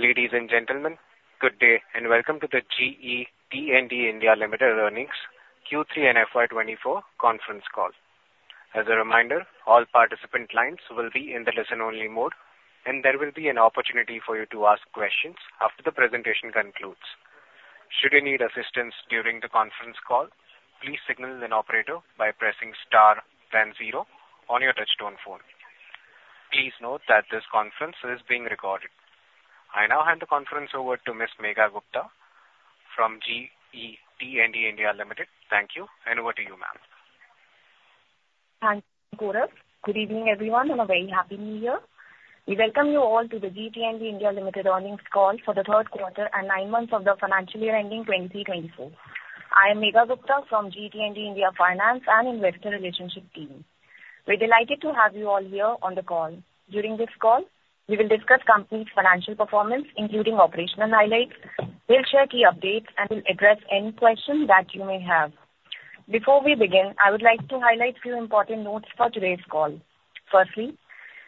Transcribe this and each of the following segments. Ladies and gentlemen, good day, and welcome to the GE T&D India Limited Earnings Q3 and FY 2024 conference call. As a reminder, all participant lines will be in the listen-only mode, and there will be an opportunity for you to ask questions after the presentation concludes. Should you need assistance during the conference call, please signal an operator by pressing star then zero on your touchtone phone. Please note that this conference is being recorded. I now hand the conference over to Ms. Megha Gupta from GE T&D India Limited. Thank you, and over to you, ma'am. Thanks, Gorakh. Good evening, everyone, and a very Happy New Year. We welcome you all to the GE T&D India Limited earnings call for the third quarter and nine months of the financial year ending 2023-2024. I am Megha Gupta from GE T&D India Finance and Investor Relations team. We're delighted to have you all here on the call. During this call, we will discuss company's financial performance, including operational highlights. We'll share key updates and will address any questions that you may have. Before we begin, I would like to highlight few important notes for today's call. Firstly,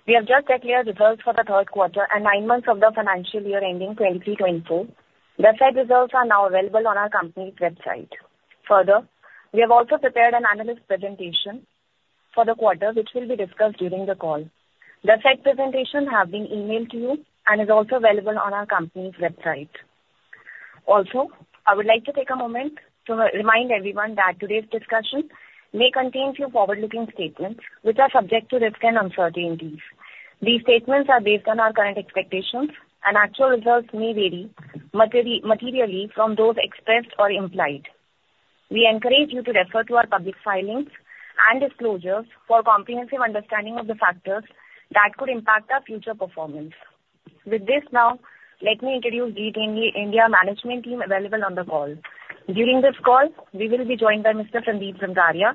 we have just declared results for the third quarter and nine months of the financial year ending 2023-2024. The said results are now available on our company's website. Further, we have also prepared an analyst presentation for the quarter, which will be discussed during the call. The said presentation have been emailed to you and is also available on our company's website. Also, I would like to take a moment to remind everyone that today's discussion may contain few forward-looking statements which are subject to risks and uncertainties. These statements are based on our current expectations, and actual results may vary materially from those expressed or implied. We encourage you to refer to our public filings and disclosures for comprehensive understanding of the factors that could impact our future performance. With this now, let me introduce GE T&D India management team available on the call. During this call, we will be joined by Mr. Sandeep Zanzaria,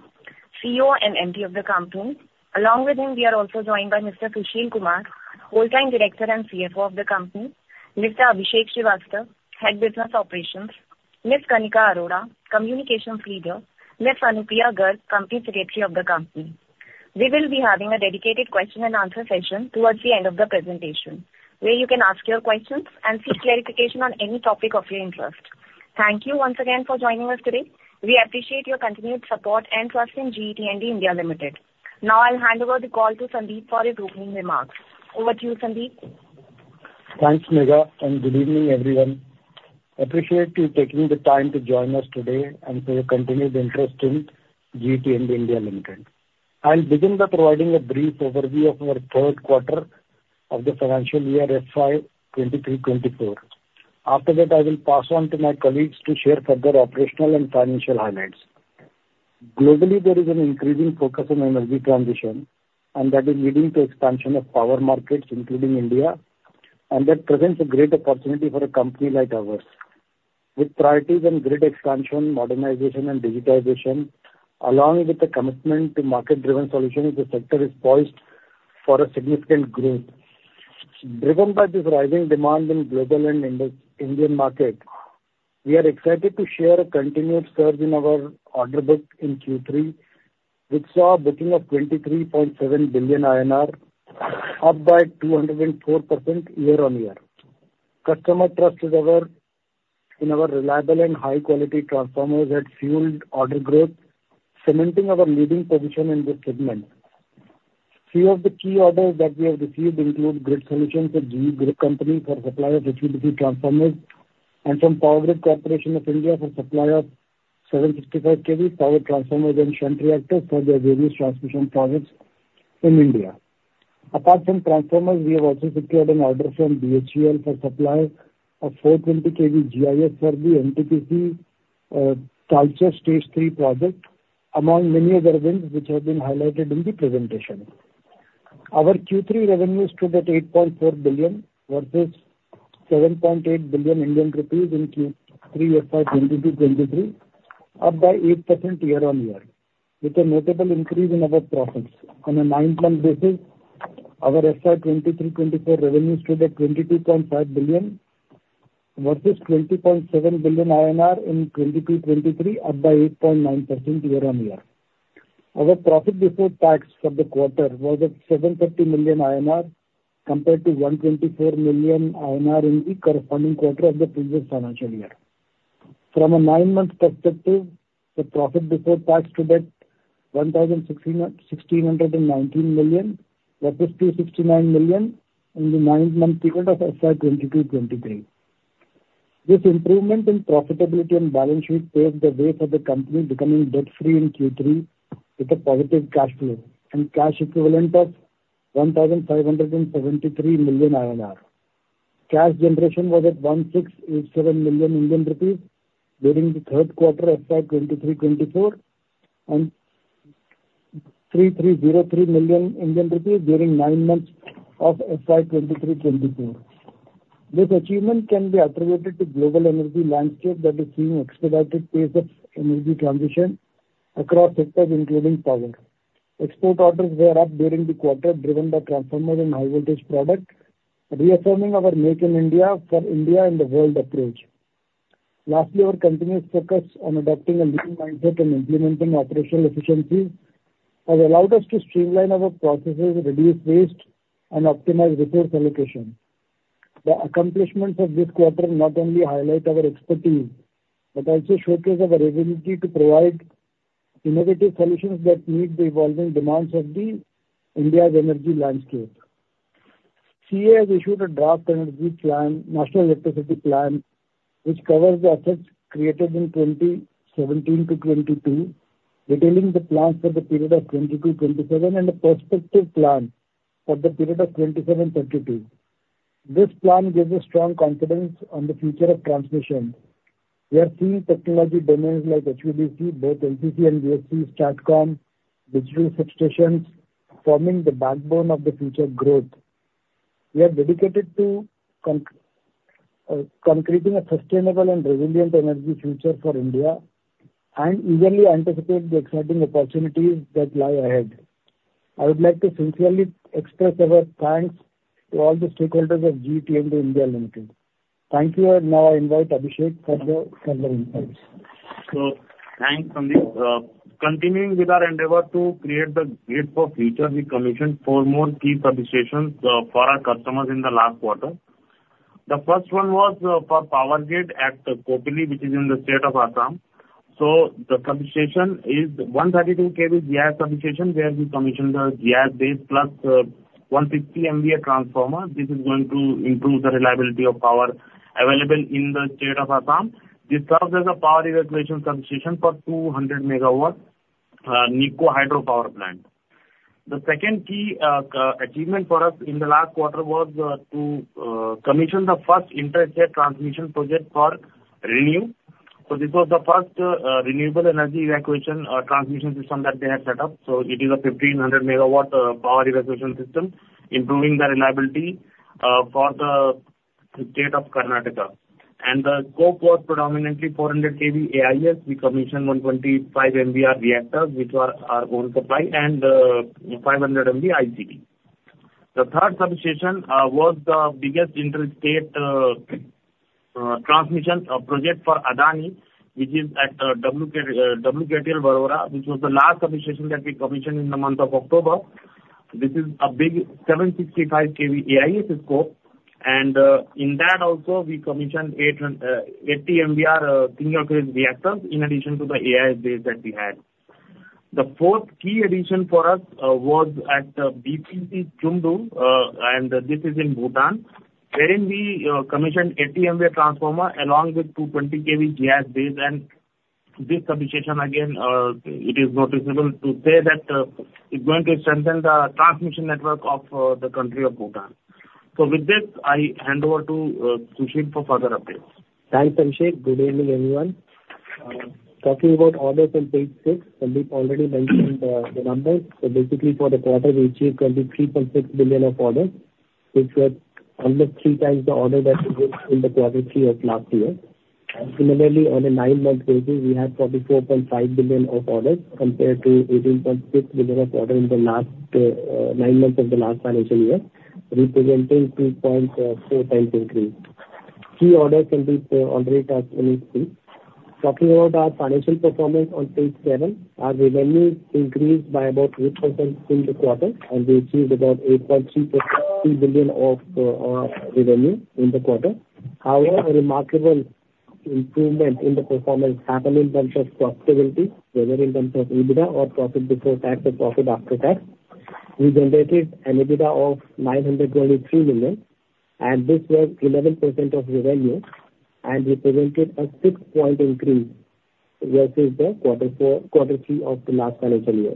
CEO and MD of the company. Along with him, we are also joined by Mr. Sushil Kumar, Whole-Time Director and CFO of the company, Mr. Abhishek Srivastava, Head, Business Operations, Ms. Kanika Arora, Communications Leader. Ms. Anupriya Garg, Company Secretary of the company. We will be having a dedicated question and answer session towards the end of the presentation, where you can ask your questions and seek clarification on any topic of your interest. Thank you once again for joining us today. We appreciate your continued support and trust in GE T&D India Limited. Now, I'll hand over the call to Sandeep for his opening remarks. Over to you, Sandeep. Thanks, Megha, and good evening, everyone. Appreciate you taking the time to join us today and for your continued interest in GE T&D India Limited. I'll begin by providing a brief overview of our third quarter of the financial year FY 2023-2024. After that, I will pass on to my colleagues to share further operational and financial highlights. Globally, there is an increasing focus on energy transition, and that is leading to expansion of power markets, including India, and that presents a great opportunity for a company like ours. With priorities on grid expansion, modernization, and digitization, along with the commitment to market-driven solutions, the sector is poised for a significant growth. Driven by this rising demand in global and Indian market, we are excited to share a continued surge in our order book in Q3, which saw a booking of 23.7 billion INR, up by 204% year-on-year. Customer trust in our reliable and high-quality transformers has fueled order growth, cementing our leading position in this segment. A few of the key orders that we have received include grid solutions with GE Grid Solutions for supply of AC/DC transformers and from Power Grid Corporation of India for supply of 765 kV power transformers and shunt reactors for their various transmission projects in India. Apart from transformers, we have also secured an order from BHEL for supply of 420 kV GIS for the NTPC Talcher Stage 3 project, among many other wins which have been highlighted in the presentation. Our Q3 revenues stood at 8.4 billion versus 7.8 billion Indian rupees in Q3 FY 2022-2023, up by 8% year-on-year, with a notable increase in our profits. On a nine-month basis, our FY 2023-2024 revenues stood at 22.5 billion versus 20.7 billion INR in 2022-2023, up by 8.9% year-on-year. Our profit before tax for the quarter was at 750 million INR, compared to 124 million INR in the corresponding quarter of the previous financial year. From a nine-month perspective, the profit before tax stood at 1,619 million, versus 269 million in the nine-month period of FY 2022-2023. This improvement in profitability and balance sheet paved the way for the company becoming debt free in Q3, with a positive cash flow and cash equivalent of 1,573 million. Cash generation was at 1,687 million Indian rupees during the third quarter of FY 2023-2024, and 3,303 million Indian rupees during nine months of FY 2023-2024. This achievement can be attributed to global energy landscape that is seeing expedited pace of energy transition across sectors, including power. Export orders were up during the quarter, driven by transformers and high voltage product, reaffirming our Make in India for India and the world approach. Lastly, our continuous focus on adopting a lean mindset and implementing operational efficiency has allowed us to streamline our processes, reduce waste, and optimize resource allocation. The accomplishments of this quarter not only highlight our expertise, but also showcase our ability to provide innovative solutions that meet the evolving demands of India's energy landscape. CEA has issued a draft energy plan, National Electricity Plan, which covers the assets created in 2017 to 2020, detailing the plans for the period of 2027, and the prospective plan for the period of 2027 to 2032. This plan gives us strong confidence on the future of transmission. We are seeing technology domains like HVDC, both LCC and VSC, STATCOM, digital substations, forming the backbone of the future growth. We are dedicated to concreting a sustainable and resilient energy future for India, and eagerly anticipate the exciting opportunities that lie ahead. I would like to sincerely express our thanks to all the stakeholders of GE T&D India Limited. Thank you, and now I invite Abhishek for the insights. Thanks, Sandeep. Continuing with our endeavor to create the grid for future, we commissioned four more key substations for our customers in the last quarter. The first one was for Power Grid at Kopili, which is in the state of Assam. The substation is a 132 kV GIS substation, where we commissioned the GIS base plus a 150 MVA transformer. This is going to improve the reliability of power available in the state of Assam. This serves as a power evacuation substation for a 200-MW NEEPCO hydropower plant. The second key achievement for us in the last quarter was to commission the first inter-state transmission project for ReNew. This was the first renewable energy evacuation transmission system that they have set up. So it is a 1,500 MW power evacuation system, improving the reliability for the state of Karnataka. And the scope was predominantly 400 kV AIS. We commissioned 125 MVAR reactors, which were our own supply, and 500 MVA ICT. The third substation was the biggest interstate transmission project for Adani, which is at WKTL Warora, which was the last substation that we commissioned in the month of October. This is a big 765 kV AIS scope, and in that also, we commissioned 80 MVAR single phase reactors, in addition to the AIS bay that we had. The fourth key addition for us was at the BPC Chumdo, and this is in Bhutan, wherein we commissioned 80 MVA transformer, along with 220 kV GIS bay. This substation again, it is noticeable to say that it's going to strengthen the transmission network of the country of Bhutan. So with this, I hand over to Sushil for further updates. Thanks, Abhishek. Good evening, everyone. Talking about orders on page six, Sandeep already mentioned the numbers. So basically, for the quarter, we achieved 23.6 billion of orders, which was almost three times the order that we booked in the quarter three of last year. Similarly, on a nine-month basis, we had 44.5 billion of orders compared to 18.6 billion of order in the last nine months of the last financial year, representing 2.4x increase. Key orders Sandeep already spoke about. Talking about our financial performance on page 7, our revenue increased by about 8% in the quarter, and we achieved about 8.3%, 3 billion of revenue in the quarter. However, a remarkable improvement in the performance happened in terms of profitability, whether in terms of EBITDA or profit before tax or profit after tax. We generated an EBITDA of 923 million, and this was 11% of revenue and represented a six-point increase versus the quarter four- quarter three of the last financial year.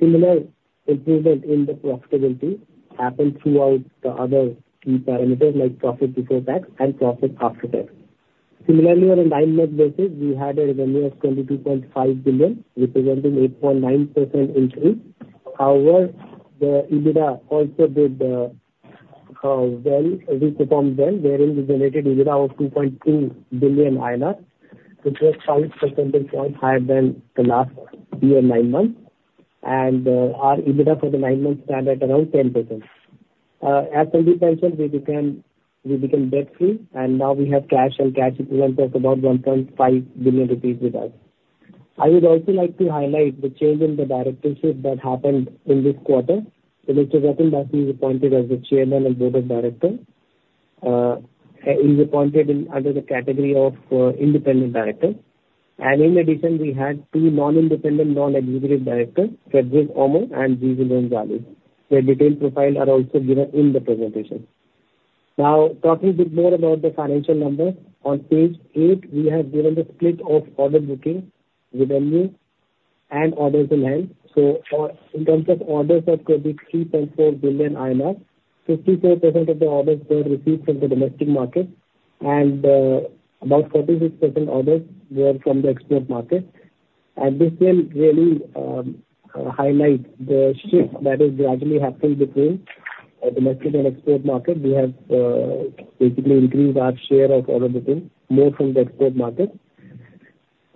Similar improvement in the profitability happened throughout the other key parameters, like profit before tax and profit after tax. Similarly, on a nine-month basis, we had a revenue of 22.5 billion, representing 8.9% increase. However, the EBITDA also did, well, it performed well, wherein we generated EBITDA of 2.2 billion, which was five percentage points higher than the last year, nine months. Our EBITDA for the nine months stand at around 10%. As Sandeep mentioned, we became debt free, and now we have cash and cash equivalent of about 1.5 billion rupees with us. I would also like to highlight the change in the directorship that happened in this quarter. Mr. Rathindra Nath Basu is appointed as the chairman and board of director. He's appointed in, under the category of, independent director. And in addition, we had two non-independent non-executive directors, Frédéric Armand and G. William Darley. Their detailed profile are also given in the presentation. Now, talking bit more about the financial numbers, on page 8, we have given the split of order booking, revenue and orders in hand. In terms of orders, that could be 3.4 billion INR. 54% of the orders were received from the domestic market, and about 46% orders were from the export market. This will really highlight the shift that is gradually happening between domestic and export market. We have basically increased our share of order booking more from the export market.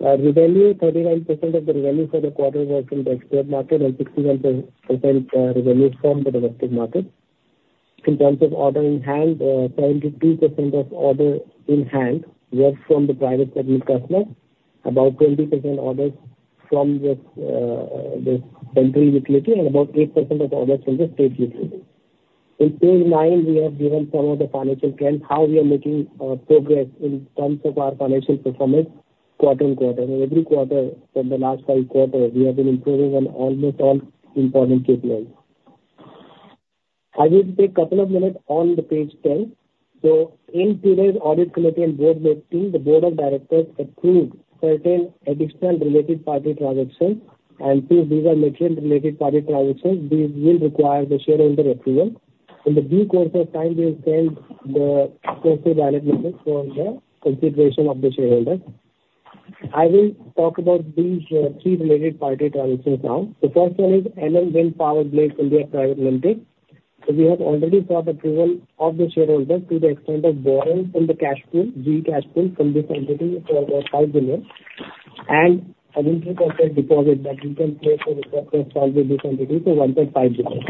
Revenue, 39% of the revenue for the quarter was in the export market, and 61% revenues from the domestic market. In terms of order in hand, 22% of order in hand was from the private segment customer, about 20% orders from the country utility, and about 8% of orders from the state utility. On page 9, we have given some of the financial plans, how we are making progress in terms of our financial performance quarter-on-quarter. Every quarter from the last five quarters, we have been improving on almost all important KPIs. I will take a couple of minutes on page 10. In today's Audit Committee and Board Meeting, the board of directors approved certain additional related party transactions. Since these are material related party transactions, these will require the shareholder approval. In the due course of time, we will send the postal ballot notice for the consideration of the shareholder. I will talk about these three related party transactions now. The first one is LM Wind Power Blades India Private Limited. So we have already sought approval of the shareholders to the extent of borrowing from the cash pool, the cash pool from this entity for 5 billion, and an inter-corporate deposit that we can place with this entity to 1.5 billion.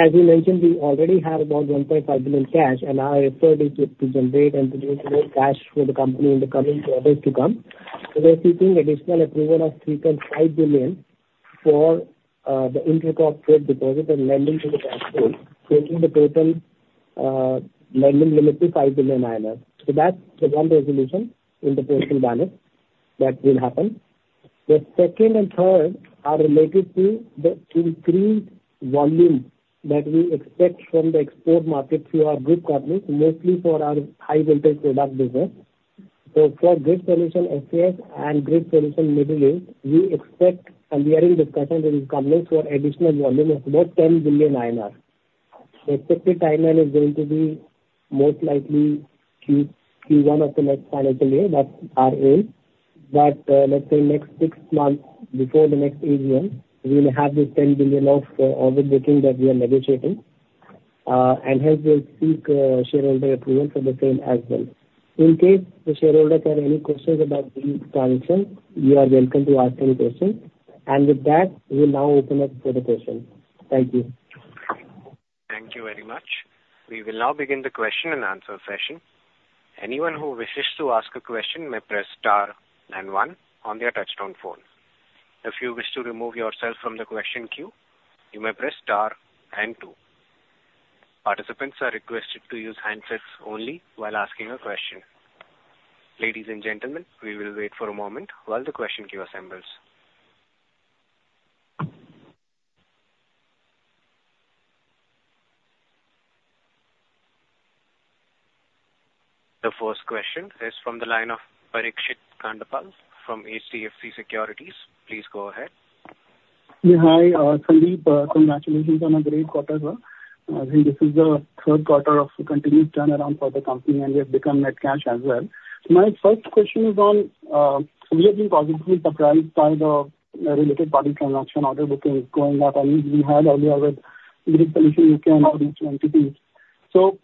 As we mentioned, we already have about 1.5 billion cash, and our effort is to generate and to use more cash for the company in the coming quarters to come. So we're seeking additional approval of 3.5 billion for the inter-corporate deposit and lending to the cash pool, taking the total lending limit to 5 billion. So that's the one resolution in the postal ballot that will happen. The second and third are related to the increased volume that we expect from the export market through our group companies, mostly for our high voltage product business. So for Grid Solutions SAS and Grid Solutions Middle East, we expect, and we are in discussion with these companies for additional volume of about 10 billion INR. The expected timeline is going to be most likely Q1 of the next financial year. That's our aim. But, let's say, next six months, before the next AGM, we will have this 10 billion of order booking that we are negotiating, and hence we'll seek shareholder approval for the same as well. In case the shareholders have any questions about these transactions, you are welcome to ask any question. With that, we'll now open up for the question. Thank you. Thank you very much. We will now begin the question and answer session. Anyone who wishes to ask a question may press star and one on their touchtone phone. If you wish to remove yourself from the question queue, you may press star and two. Participants are requested to use handsets only while asking a question. Ladies and gentlemen, we will wait for a moment while the question queue assembles. The first question is from the line of Parikshit Kandpal from HDFC Securities. Please go ahead. Yeah. Hi, Sandeep. Congratulations on a great quarter, sir. I think this is the third quarter of the continued turnaround for the company, and we have become net cash as well. My first question is on, we have been positively surprised by the related party transaction. Order booking is going up, and we had earlier with Grid Solutions U.K. and other entities. So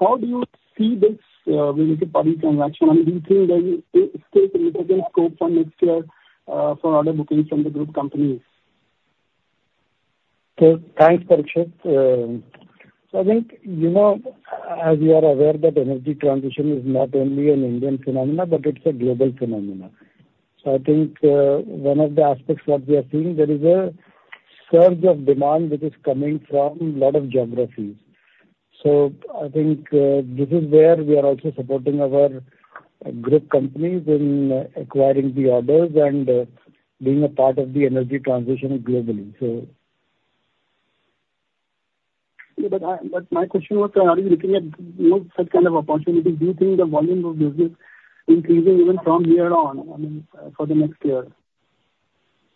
how do you see this related party transaction, and do you think there is still a little bit scope for next year for order bookings from the group companies? So thanks, Parikshit. So I think, you know, as you are aware, that energy transition is not only an Indian phenomenon, but it's a global phenomenon. So I think, one of the aspects that we are seeing, there is a surge of demand which is coming from a lot of geographies. So I think, this is where we are also supporting our group companies in acquiring the orders and, being a part of the energy transition globally. So... Yeah, but my question was, are you looking at more such kind of opportunities? Do you think the volume of business increasing even from here on, I mean, for the next year?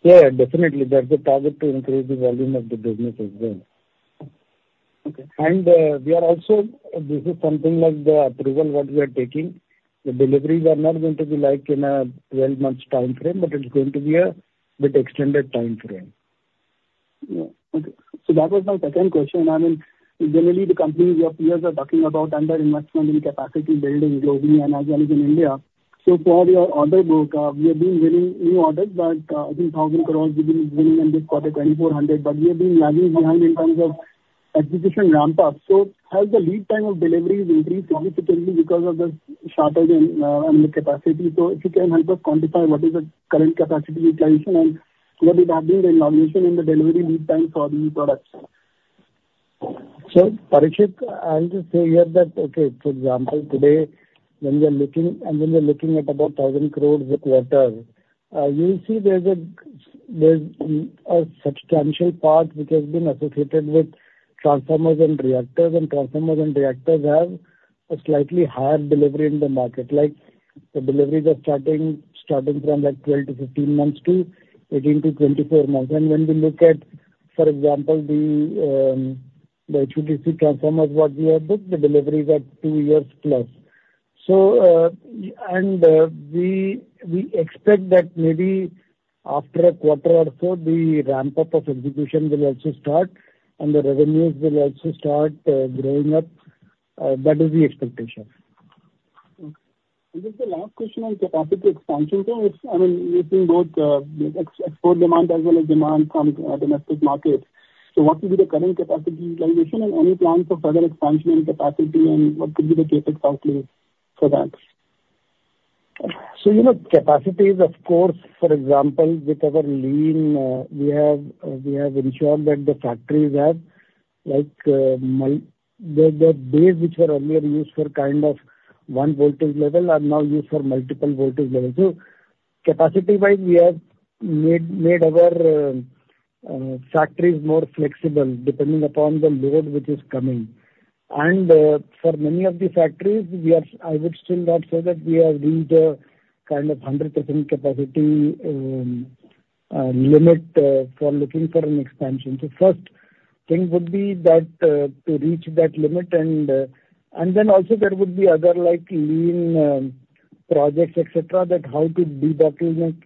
Yeah, definitely. That's the target, to increase the volume of the business as well. Okay. We are also. This is something like the approval what we are taking. The deliveries are not going to be like in a 12-month timeframe, but it's going to be a bit extended timeframe. Yeah. Okay. So that was my second question. I mean, generally the companies or peers are talking about underinvestment in capacity building globally and as well as in India. So for your order book, we have been winning new orders, but, I think 1,000 crore we've been winning in this quarter, 2,400 crore, but we have been lagging behind in terms of execution ramp up. So has the lead time of deliveries increased only potentially because of the shortage in, in the capacity? So if you can help us quantify what is the current capacity utilization, and what is have been the elongation in the delivery lead time for the new products? So Parikshit, I'll just say here that, okay, for example, today, when we are looking, and when we are looking at about 1,000 crore for the quarter, you'll see there's a substantial part which has been associated with transformers and reactors, and transformers and reactors have a slightly higher delivery in the market. Like, the deliveries are starting from, like, 12-15 months to 18-24 months. And when we look at, for example, the HVDC transformers what we have booked, the delivery is at two years plus. So, and we expect that maybe after a quarter or so, the ramp up of execution will also start, and the revenues will also start growing up. That is the expectation. Okay. And just a last question on capacity expansion, sir. It's, I mean, we've seen both export demand as well as demand from domestic market. So what will be the current capacity utilization, and any plans for further expansion and capacity, and what could be the CapEx outlay for that? So, you know, capacities, of course, for example, with our lean, we have ensured that the factories have, like, the bays which were earlier used for kind of one voltage level are now used for multiple voltage levels. So capacity-wise, we have made our factories more flexible, depending upon the load which is coming. And, for many of the factories, we are—I would still not say that we have reached a kind of 100% capacity limit for looking for an expansion. So first thing would be that, to reach that limit, and then also there would be other, like, lean projects, et cetera, that how to debottleneck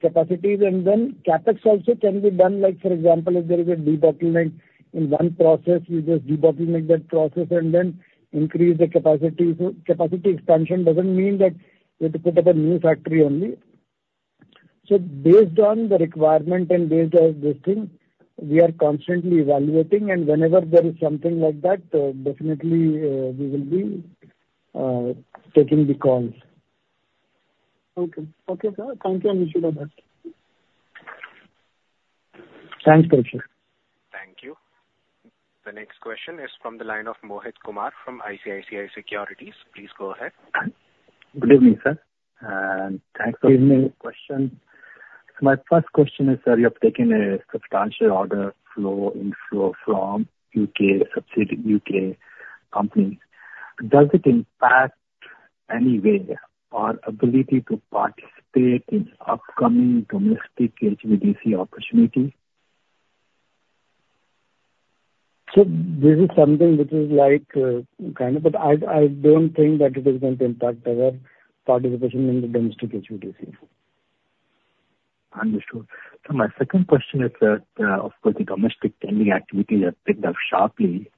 capacities. And then CapEx also can be done, like, for example, if there is a debottleneck in one process, you just debottleneck that process and then increase the capacity. So capacity expansion doesn't mean that you have to put up a new factory only. So based on the requirement and based on this thing, we are constantly evaluating, and whenever there is something like that, definitely, we will be taking the calls. Okay. Okay, sir. Thank you, and wish you the best. Thanks, Parikshit. Thank you. The next question is from the line of Mohit Kumar from ICICI Securities. Please go ahead. Good evening, sir, and thanks for taking my question. My first question is, sir, you have taken a substantial order flow, inflow from U.K., subsidiary U.K. company. Does it impact any way our ability to participate in upcoming domestic HVDC opportunities? So this is something which is like, kind of, but I don't think that it is going to impact our participation in the domestic HVDC. Understood. So my second question is that, of course, the domestic pending activities have picked up sharply,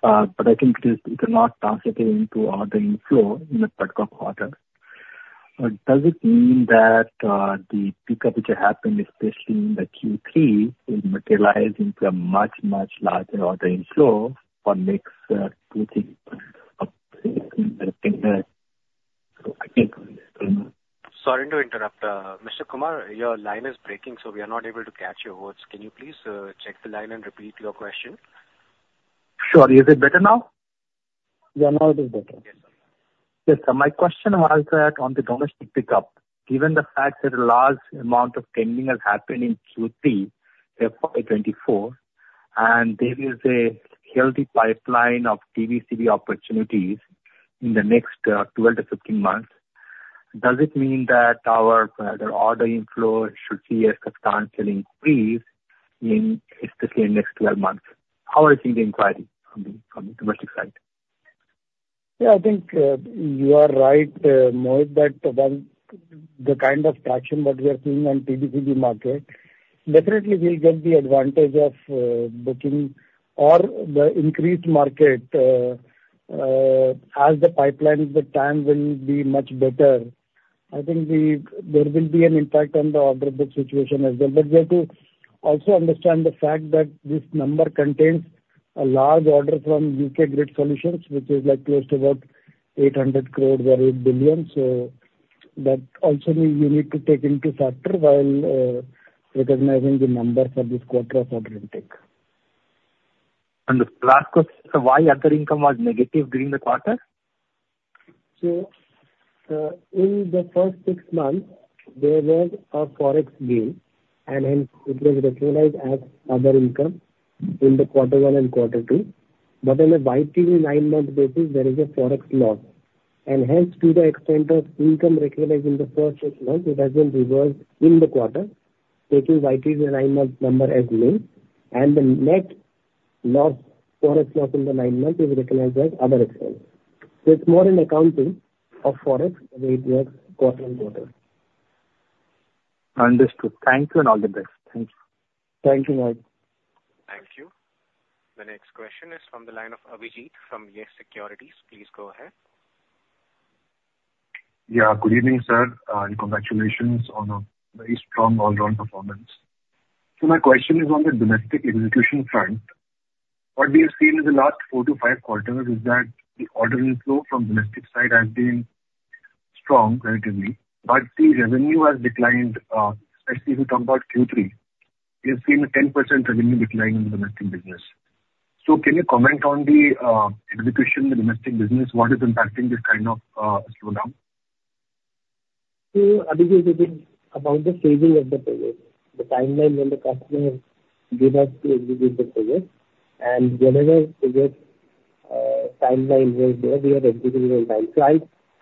but I think it is, it is not translated into order inflow in the third quarter. But does it mean that, the pickup which are happening especially in the Q3, will materialize into a much, much larger order inflow for next, two, three years? Sorry to interrupt, Mr. Kumar. Your line is breaking, so we are not able to catch your words. Can you please check the line and repeat your question? Sure. Is it better now? Yeah, now it is better. Yes, sir. Yes, so my question was that on the domestic pickup, given the fact that a large amount of pending has happened in Q3 of 2024, and there is a healthy pipeline of TBCB opportunities in the next 12-15 months, does it mean that our order inflow should see a substantial increase in especially in next 12 months? How are you seeing the inquiry from the domestic side? Yeah, I think, you are right, Mohit, that one, the kind of traction that we are seeing on TBCB market, definitely we'll get the advantage of, booking or the increased market, as the pipeline, the time will be much better. I think the, there will be an impact on the order book situation as well. But we have to also understand the fact that this number contains a large order from GE Grid Solutions, which is like close to about 800 crore or 8 billion. So that also we, we need to take into factor while, recognizing the number for this quarter of order intake. Understood. Last question, so why other income was negative during the quarter? In the first six months, there was a Forex gain, and hence it was recognized as other income in the Quarter One and Quarter Two. But on a YTD nine-month basis, there is a Forex loss, and hence, to the extent of income recognized in the first six months, it has been reversed in the quarter, making YTD nine-month number as nil. And the net loss, Forex loss in the nine months is recognized as other expense. So it's more an accounting of Forex than it is quarter-on-quarter. Understood. Thank you, and all the best. Thank you. Thank you, Mohit. Thank you. The next question is from the line of Abhijeet from YES Securities. Please go ahead. Yeah, good evening, sir, and congratulations on a very strong all-round performance. So my question is on the domestic execution front. What we have seen in the last four to five quarters is that the order inflow from domestic side has been strong relatively, but the revenue has declined. Especially if you talk about Q3, we have seen a 10% revenue decline in the domestic business. So can you comment on the execution in the domestic business? What is impacting this kind of slowdown? So, Abhijeet, I think about the schedule of the project, the timeline when the customer gave us to execute the project, and whatever project, timeline was there, we are executing on time. So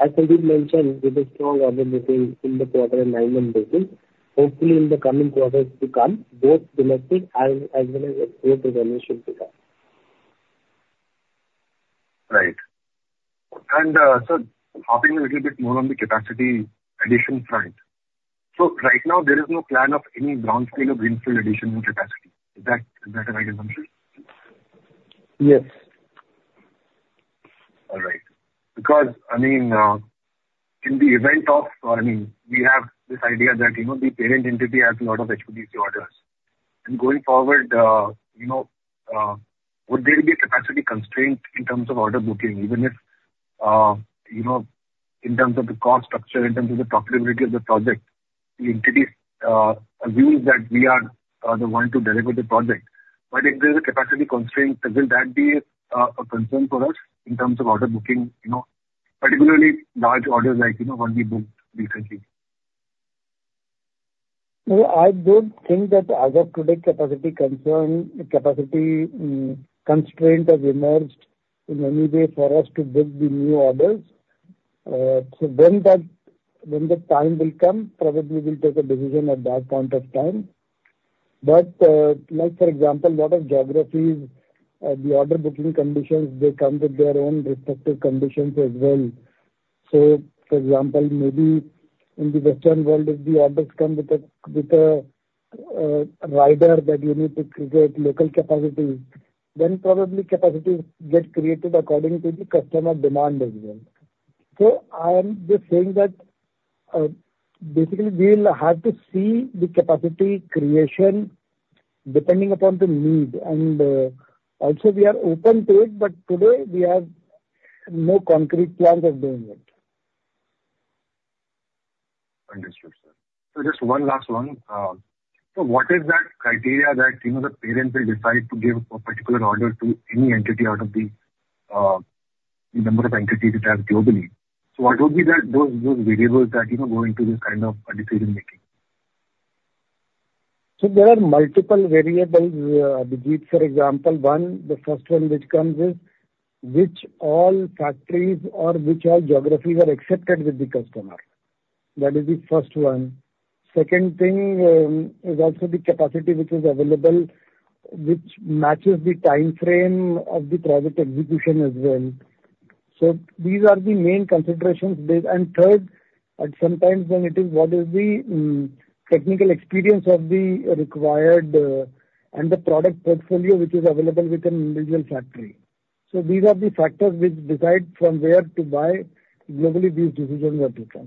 as Sandeep mentioned, it is strong order booking in the quarter and nine-month basis. Hopefully, in the coming quarters to come, both domestic and as well as export revenue should pick up. Right. And, so talking a little bit more on the capacity addition front. So right now, there is no plan of any brownfield or greenfield addition capacity. Is that, is that a right assumption? Yes. All right. Because, I mean, in the event of, I mean, we have this idea that, you know, the parent entity has a lot of HVDC orders. And going forward, you know, would there be a capacity constraint in terms of order booking, even if, you know, in terms of the cost structure, in terms of the profitability of the project, the entities agree that we are the one to deliver the project? But if there is a capacity constraint, will that be a concern for us in terms of order booking, you know, particularly large orders like, you know, what we booked recently? No, I don't think that as of today, capacity concern - capacity constraint has emerged in any way for us to book the new orders. So when the time will come, probably we'll take a decision at that point of time. But, like for example, lot of geographies, the order booking conditions, they come with their own respective conditions as well. So for example, maybe in the Western world, if the orders come with a rider that you need to create local capacity, then probably capacity get created according to the customer demand as well. So I am just saying that, basically we'll have to see the capacity creation depending upon the need. And, also, we are open to it, but today we have no concrete plans of doing it. Understood, sir. So just one last one. So what is that criteria that, you know, the parent will decide to give a particular order to any entity out of the, number of entities it has globally? So what would be the, those, those variables that, you know, go into this kind of decision-making? So there are multiple variables, Abhijeet. For example, one, the first one which comes is which all factories or which all geographies are accepted with the customer. That is the first one. Second thing, is also the capacity which is available, which matches the timeframe of the project execution as well. So these are the main considerations. Then, and third, at some times when it is, what is the technical experience of the required, and the product portfolio which is available with an individual factory. So these are the factors which decide from where to buy, globally, these decisions are taken. Thank you, sir. Thank you, sir.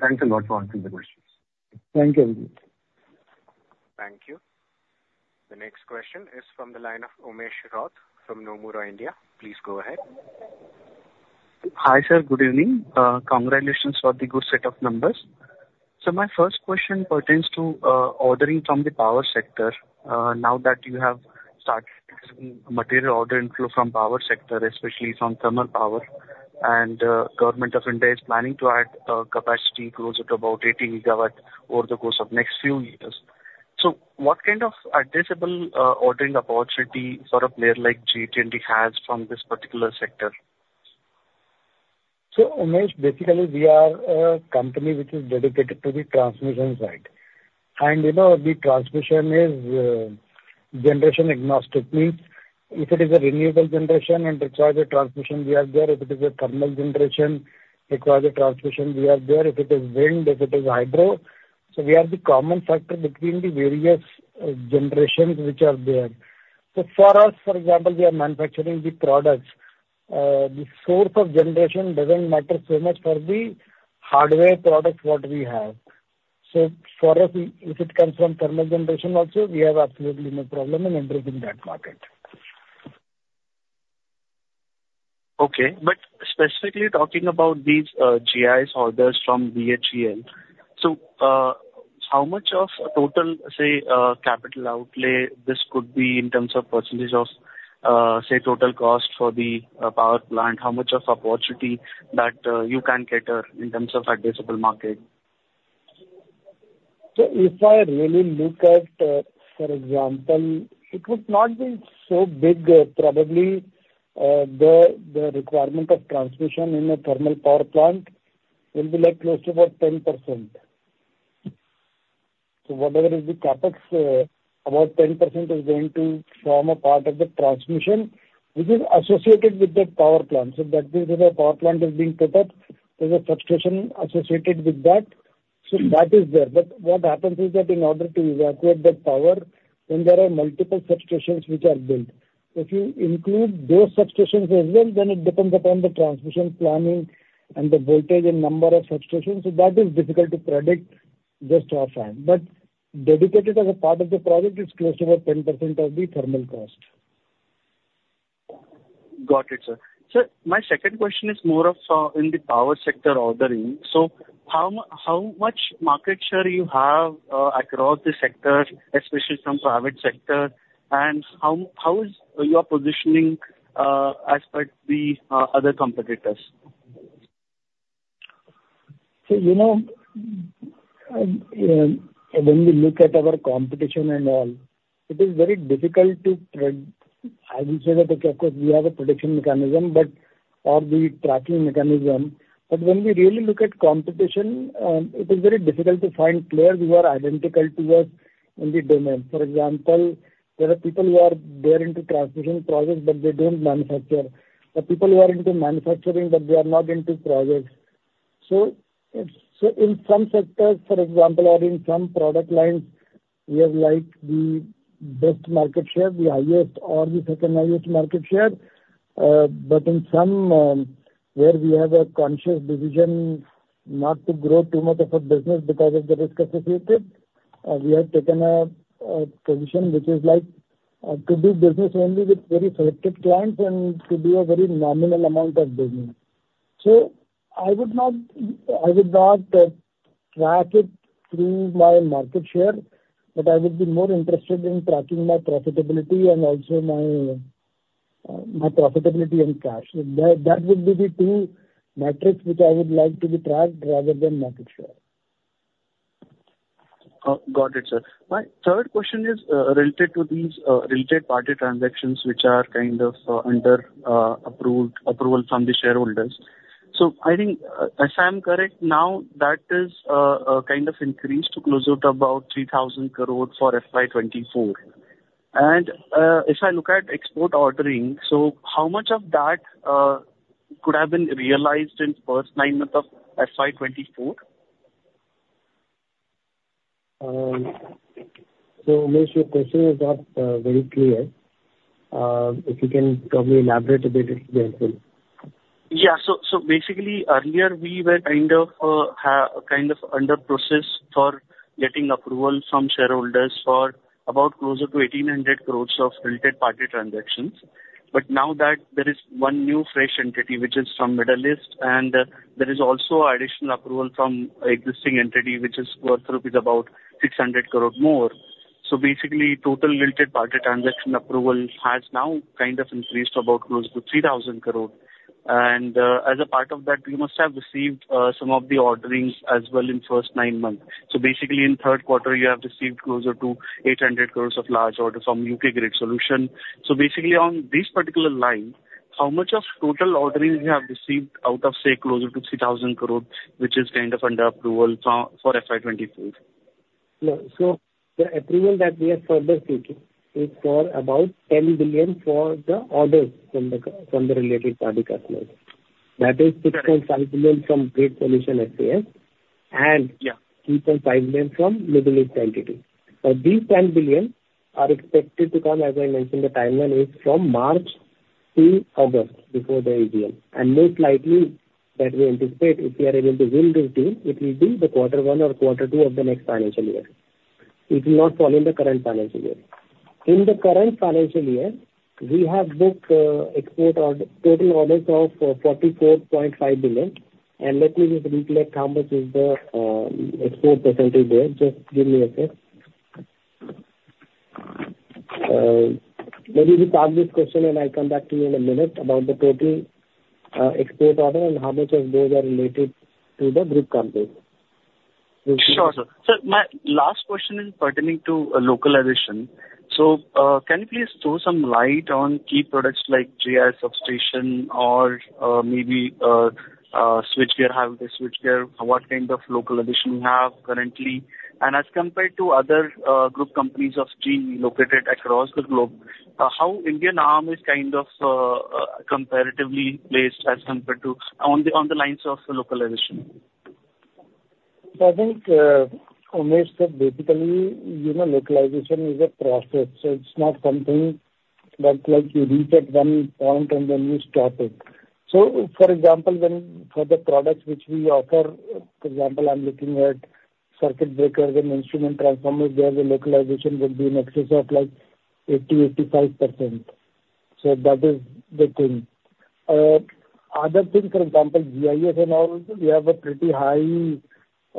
Thanks a lot for answering the questions. Thank you, Abhijeet. Thank you. The next question is from the line of Umesh Raut from Nomura, India. Please go ahead. Hi, sir. Good evening. Congratulations for the good set of numbers. So my first question pertains to ordering from the power sector. Now that you have started material order inflow from power sector, especially from thermal power, and Government of India is planning to add capacity close at about 80 gigawatts over the course of next few years. So what kind of addressable ordering opportunity for a player like GE T&D has from this particular sector? So Umesh, basically, we are a company which is dedicated to the transmission side. And, you know, the transmission is generation agnostic. Means if it is a renewable generation and requires a transmission, we are there. If it is a thermal generation, requires a transmission, we are there. If it is wind, if it is hydro, so we are the common factor between the various generations which are there. So for us, for example, we are manufacturing the products. The source of generation doesn't matter so much for the hardware products what we have. So for us, if it comes from thermal generation also, we have absolutely no problem in entering that market. Okay. But specifically talking about these, GIS orders from BHEL, so, how much of total, say, capital outlay this could be in terms of percentage of, say, total cost for the, power plant? How much of opportunity that, you can cater in terms of addressable market? So if I really look at, for example, it would not be so big. Probably, the requirement of transmission in a thermal power plant will be, like, close to about 10%. So whatever is the CapEx, about 10% is going to form a part of the transmission, which is associated with that power plant. So that means that a power plant is being put up, there's a substation associated with that, so that is there. But what happens is that in order to evacuate that power, then there are multiple substations which are built. If you include those substations as well, then it depends upon the transmission planning and the voltage and number of substations, so that is difficult to predict just offhand. But dedicated as a part of the project, it's close to about 10% of the thermal cost. Got it, sir. Sir, my second question is more of, in the power sector ordering. So how much market share you have across the sector, especially from private sector? And how is your positioning as per the other competitors? So, you know, when we look at our competition and all, it is very difficult. As you said, of course, we have a prediction mechanism or the tracking mechanism. But when we really look at competition, it is very difficult to find players who are identical to us in the domain. For example, there are people who are, they're into transmission products, but they don't manufacture. The people who are into manufacturing, but they are not into products. So, so in some sectors, for example, or in some product lines, we have, like, the best market share, the highest or the second highest market share. But in some where we have a conscious decision not to grow too much of a business because of the risk associated, we have taken a position which is like to do business only with very selected clients and to do a very nominal amount of business. So I would not track it through my market share, but I would be more interested in tracking my profitability and also my profitability and cash. That would be the two metrics which I would like to be tracked rather than market share. Got it, sir. My third question is related to these related party transactions, which are kind of under approval from the shareholders. So I think, if I'm correct, now, that is a kind of increase to closer to about 3,000 crore for FY 2024. And, if I look at export ordering, so how much of that could have been realized in first nine months of FY 2024? So, Umesh, your question is not very clear. If you can probably elaborate a bit, it'll be helpful. Yeah. So basically earlier we were kind of under process for getting approval from shareholders for about closer to 1,800 crore of related party transactions. But now that there is one new fresh entity which is from Middle East, and there is also additional approval from existing entity which is worth about 600 crore rupees more. So basically, total related party transaction approval has now kind of increased to about close to 3,000 crore. And as a part of that, you must have received some of the orders as well in first nine months. So basically, in third quarter, you have received closer to 800 crore of large orders from GE Grid Solutions. So basically, on this particular line, how much of total orderings you have received out of, say, closer to 3,000 crore, which is kind of under approval for FY 2024? No. So the approval that we have further seeking is for about 10 billion for the orders from the co- from the related party customers. Okay. That is $6.5 billion from Grid Solutions SAS, and- Yeah. 3.5 billion from Middle East entity. Now, these 10 billion are expected to come, as I mentioned, the timeline is from March to August, before the AGM. And most likely, that we anticipate, if we are able to win this deal, it will be the quarter one or quarter two of the next financial year. It will not fall in the current financial year. In the current financial year, we have booked export order, total orders of 44.5 billion. And let me just reflect how much is the export percentage there. Just give me a sec. Maybe we park this question, and I come back to you in a minute about the total export order and how much of those are related to the group company. Sure, sir. Sir, my last question is pertaining to localization. So, can you please throw some light on key products like GIS substation or, maybe, switchgear, have the switchgear, what kind of localization we have currently? And as compared to other, group companies of GE located across the globe, how Indian arm is kind of, comparatively placed as compared to... on the, on the lines of the localization? I think, Umesh, that basically, you know, localization is a process. So it's not something that, like, you reach at one point and then you stop it. So, for example, when for the products which we offer, for example, I'm looking at circuit breakers and instrument transformers, there the localization will be in excess of like 80-85%. So that is the thing. Other thing, for example, GIS and all, we have a pretty high,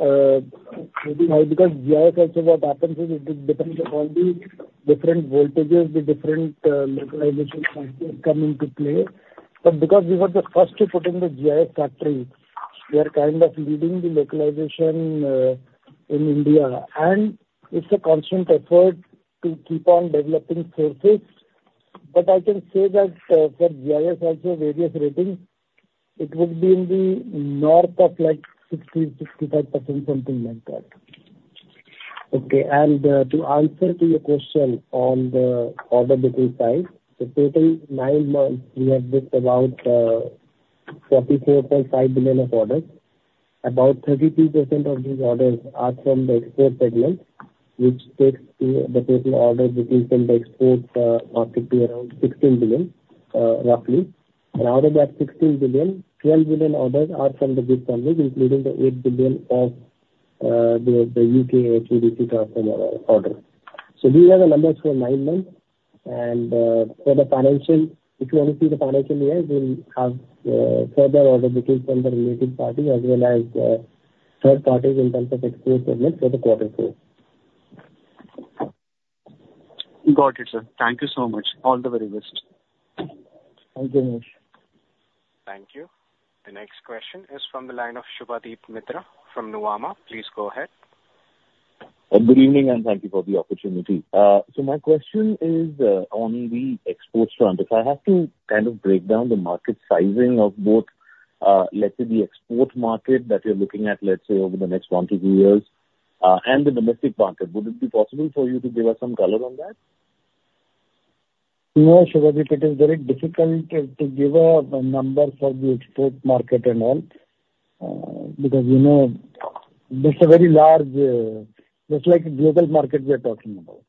pretty high, because GIS, also what happens is, it depends upon the different voltages, the different, localization factors come into play. But because we were the first to put in the GIS factory, we are kind of leading the localization, in India. And it's a constant effort to keep on developing sources. But I can say that, for GIS also, various ratings, it would be in the north of like 60%-65%, something like that. Okay. And, to answer to your question on the order booking side, the total nine months, we have booked about, 44.5 billion of orders. About 32% of these orders are from the export segment, which takes the, the total order booking from the export, market to around 16 billion, roughly. And out of that 16 billion, 12 billion orders are from the group companies, including the 8 billion of, the, the U.K. HVDC transformer order. So these are the numbers for nine months. For the financial, if you want to see the financial year, we'll have further order bookings from the related parties, as well as third parties in terms of export segment for the quarter four. Got it, sir. Thank you so much. All the very best. Thank you, Umesh. Thank you. The next question is from the line of Subhadip Mitra from Nuvama. Please go ahead. Good evening, and thank you for the opportunity. So my question is on the export front. If I have to kind of break down the market sizing of both, let's say the export market that you're looking at, let's say over the next one to two years, and the domestic market, would it be possible for you to give us some color on that? No, Subhadip, it is very difficult to give a number for the export market and all, because, you know, it's a very large, just like global market we are talking about.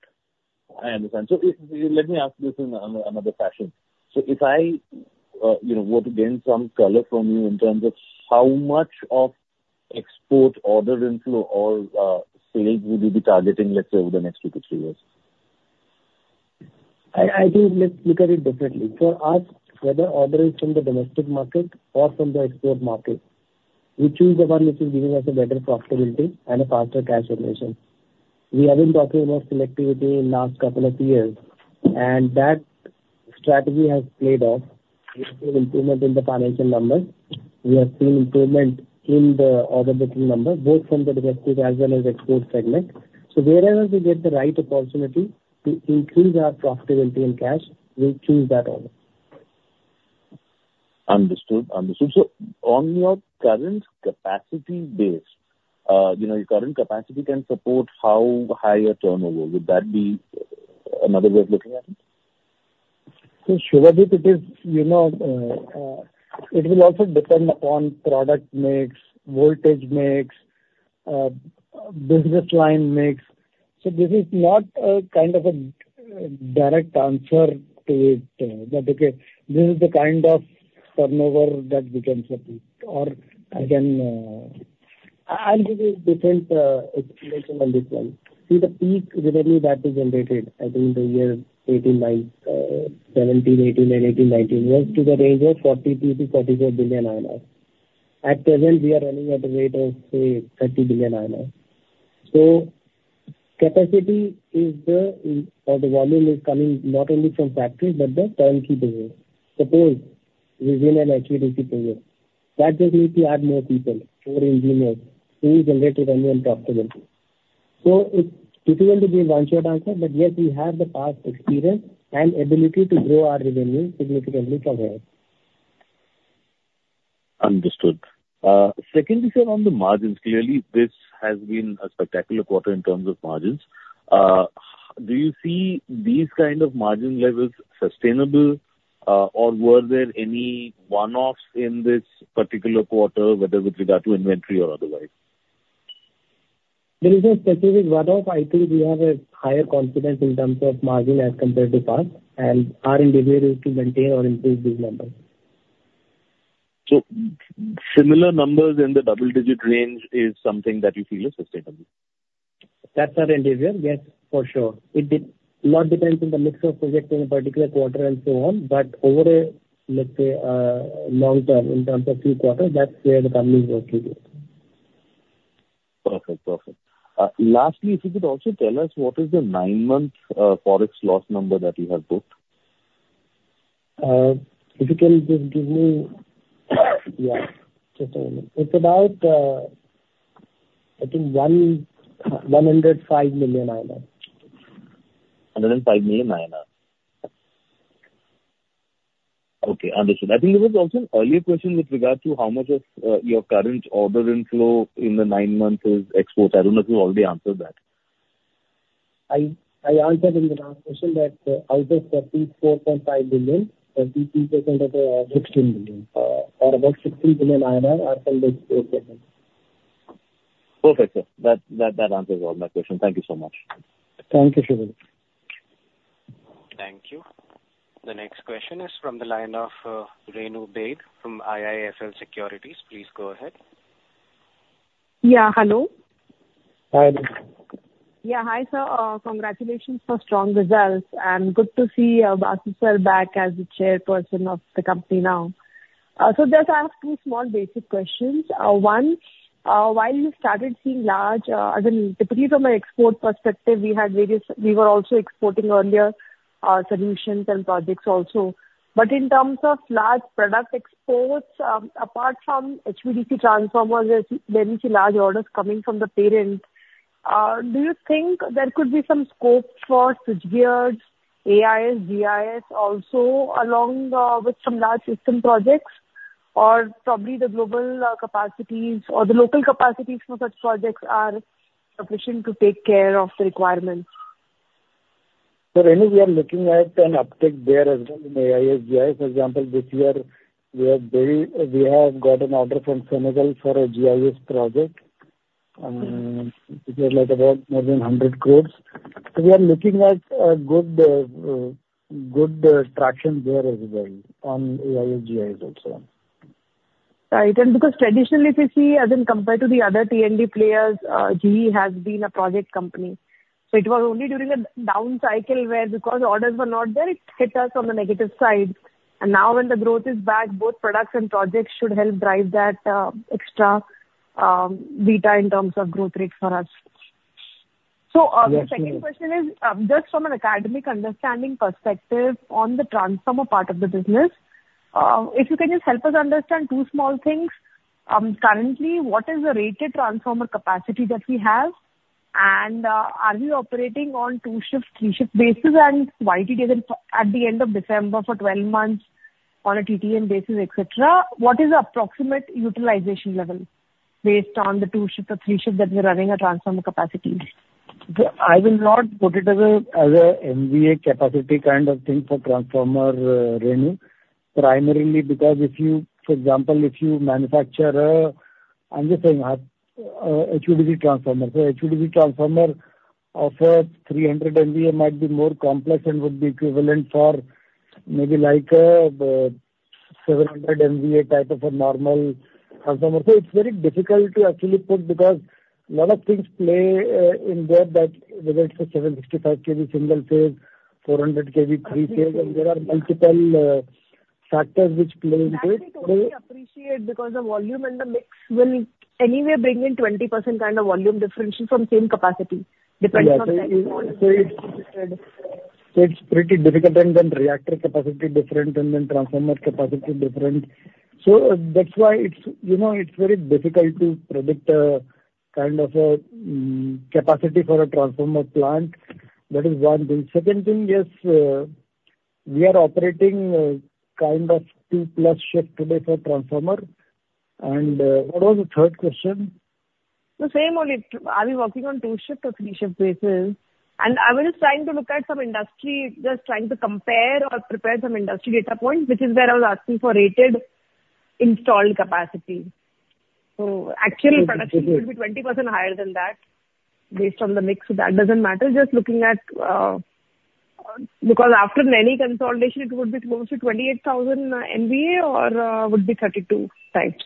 I understand. So let me ask this in another fashion. So if I, you know, were to gain some color from you in terms of how much of export order inflow or sales would you be targeting, let's say, over the next two to three years? I, I think, let's look at it differently. For us, whether order is from the domestic market or from the export market, we choose the one which is giving us a better profitability and a faster cash generation. We have been talking about selectivity in last couple of years, and that strategy has played off. We've seen improvement in the financial numbers. We have seen improvement in the order booking numbers, both from the domestic as well as export segment. So wherever we get the right opportunity to increase our profitability and cash, we'll choose that offer. Understood. Understood. So on your current capacity base, you know, your current capacity can support how high a turnover? Would that be another way of looking at it? So Subhadip, it is, you know, it will also depend upon product mix, voltage mix, business line mix. So this is not a kind of a direct answer to it, that, okay, this is the kind of turnover that we can submit or I can... I'll give you different explanation on this one. See, the peak revenue that we generated, I think the year 2018-2019, 2017-2018 and 2018-2019, was to the range of 42 billion-44 billion INR. At present, we are running at a rate of, say, 30 billion INR. So capacity is the, or the volume is coming not only from factories, but the turnkey business. Suppose we win an HVDC tender, that does need to add more people, more engineers to generate revenue and profitability. It's difficult to give one-word answer, but yes, we have the past experience and ability to grow our revenue significantly from here. Understood. Secondly, sir, on the margins, clearly this has been a spectacular quarter in terms of margins. Do you see these kind of margin levels sustainable, or were there any one-offs in this particular quarter, whether with regard to inventory or otherwise? There is no specific one-off. I think we have a higher confidence in terms of margin as compared to past, and our endeavor is to maintain or improve these numbers. So similar numbers in the double-digit range is something that you feel is sustainable? That's our endeavor. Yes, for sure. It depends a lot on the mix of projects in a particular quarter and so on, but over a, let's say, long term, in terms of few quarters, that's where the company is working with. Perfect. Perfect. Lastly, if you could also tell us what is the nine-month Forex loss number that you have put? If you can just give me... Yeah. Just a minute. It's about, I think, INR 105 million. INR 105 million. Okay, understood. I think there was also an earlier question with regard to how much of, your current order inflow in the nine months is export. I don't know if you already answered that. I answered in the last question that out of 34.5 billion, 22% of the 16 billion, or about 16 billion are from the export segment. Perfect, sir. That answers all my questions. Thank you so much. Thank you, Subhadip. Thank you. The next question is from the line of, Renu Baid from IIFL Securities. Please go ahead. Yeah, hello? Hi. Yeah, hi, sir. Congratulations for strong results, and good to see Basu sir back as the chairperson of the company now. So just I have two small basic questions. One, while you started seeing large, I mean, depending on my export perspective, we had various—we were also exporting earlier, solutions and projects also. But in terms of large product exports, apart from HVDC transformers, there's been large orders coming from the parent. Do you think there could be some scope for switchgears, AIS, GIS also, along with some large system projects? Or probably the global capacities or the local capacities for such projects are sufficient to take care of the requirements. So Renu, we are looking at an uptick there as well in AIS, GIS. For example, this year we have got an order from Senegal for a GIS project, which is like about more than 100 crore. So we are looking at a good traction there as well on AIS, GIS also. Right, and because traditionally, if you see, as in compared to the other T&D players, GE has been a project company. So it was only during the down cycle where because the orders were not there, it hit us on the negative side. And now when the growth is back, both products and projects should help drive that extra delta in terms of growth rate for us. Yes. The second question is just from an academic understanding perspective on the transformer part of the business. If you can just help us understand two small things. Currently, what is the rated transformer capacity that we have? And, are we operating on two shifts, three shifts basis? And YTD at the end of December for 12 months on a TTM basis, et cetera, what is the approximate utilization level based on the two shift or three shift that we're running a transformer capacity? I will not put it as a, as a MVA capacity kind of thing for transformer, Renu. Primarily because if you, for example, if you manufacture, I'm just saying, HVDC transformer. So HVDC transformer of 300 MVA might be more complex and would be equivalent for maybe like the 700 MVA type of a normal transformer. So it's very difficult to actually put, because a lot of things play in there that whether it's a 755 KV single phase, 400 KV three phase, and there are multiple factors which play into it. Actually, totally appreciate, because the volume and the mix will anyway bring in 20% kind of volume differential from same capacity, depends on the. So it's pretty difficult, and then reactor capacity different, and then transformer capacity different. So that's why it's, you know, it's very difficult to predict, kind of a capacity for a transformer plant. That is one thing. Second thing is, we are operating, kind of 2+ shifts today for transformer. And what was the third question? The same only. Are we working on two shift or three shift basis? And I was just trying to look at some industry, just trying to compare or prepare some industry data points, which is where I was asking for rated installed capacity. So actual production would be 20% higher than that based on the mix. So that doesn't matter. Just looking at, because after many consolidation, it would be close to 28,000 MVA or, would be 32 types.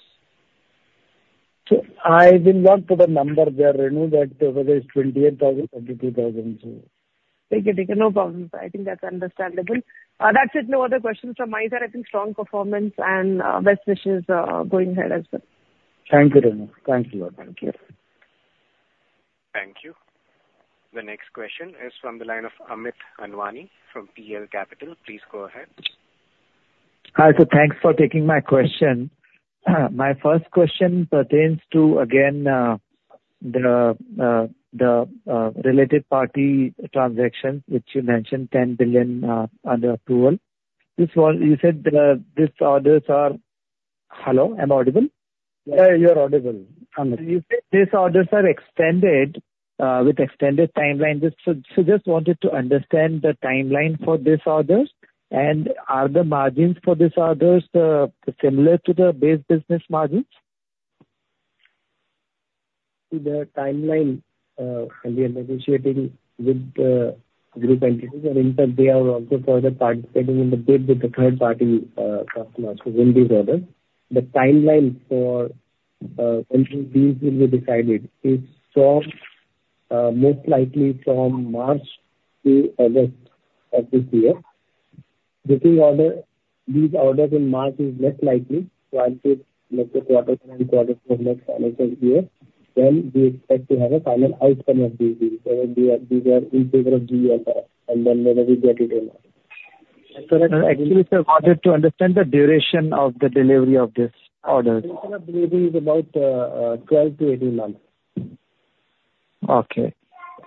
I will not put a number there, Renu, that whether it's 28,000, 32,000. Okay, taken. No problem, sir. I think that's understandable. That's it. No other questions from my end. I think strong performance and best wishes going ahead as well. Thank you, Renu. Thank you. Thank you. Thank you. The next question is from the line of Amit Anwani from PL Capital. Please go ahead. Hi, so thanks for taking my question. My first question pertains to, again, the related party transactions, which you mentioned, 10 billion under approval. This one, you said, these orders are... Hello, am I audible? You are audible, Amit. You said these orders are extended with extended timelines. So just wanted to understand the timeline for these orders, and are the margins for these orders similar to the base business margins? The timeline, we are negotiating with the group entities, and in fact, they are also further participating in the bid with the third party customers within these orders. The timeline for entering these will be decided. It's from, most likely, from March to August of this year. Getting these orders in March is less likely, so I'll say like the quarter and quarter from next calendar year, then we expect to have a final outcome of these deals. So these are in favor of GE T&D, and then whenever we get it in. Actually, sir, in order to understand the duration of the delivery of these orders. Duration of delivery is about 12-18 months. Okay.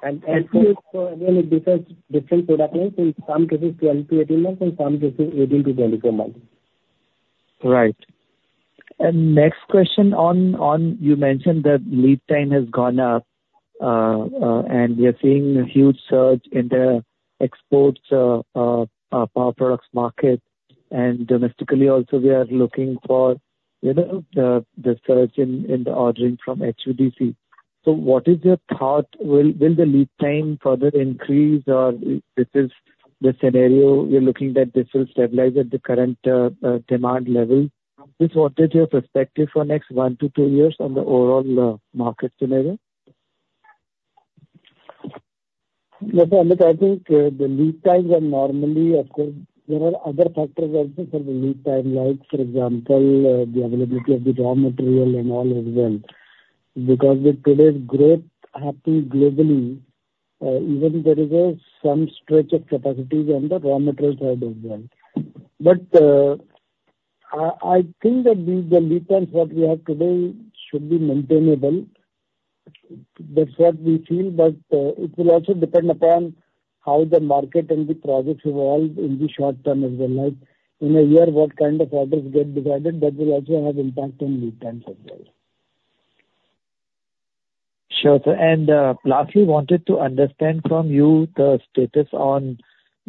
And so again, it differs different product lines. In some cases, 12-18 months, in some cases, 18-24 months. Right. And next question on you mentioned that lead time has gone up, and we are seeing a huge surge in the exports, power products market, and domestically also we are looking for, you know, the surge in the ordering from HVDC. So what is your thought? Will the lead time further increase, or this is the scenario you're looking that this will stabilize at the current demand level? Just what is your perspective for next one to two years on the overall market scenario? Look, Amit, I think the lead times are normally... Of course, there are other factors also for the lead time, like, for example, the availability of the raw material and all as well. Because with today's growth happening globally, even there is some stretch of capacities on the raw material side as well. But I think that the lead times what we have today should be maintainable. That's what we feel, but it will also depend upon how the market and the projects evolve in the short term as well. Like, in a year, what kind of orders get divided, that will also have impact on lead times as well. Sure, sir. Lastly, wanted to understand from you the status on,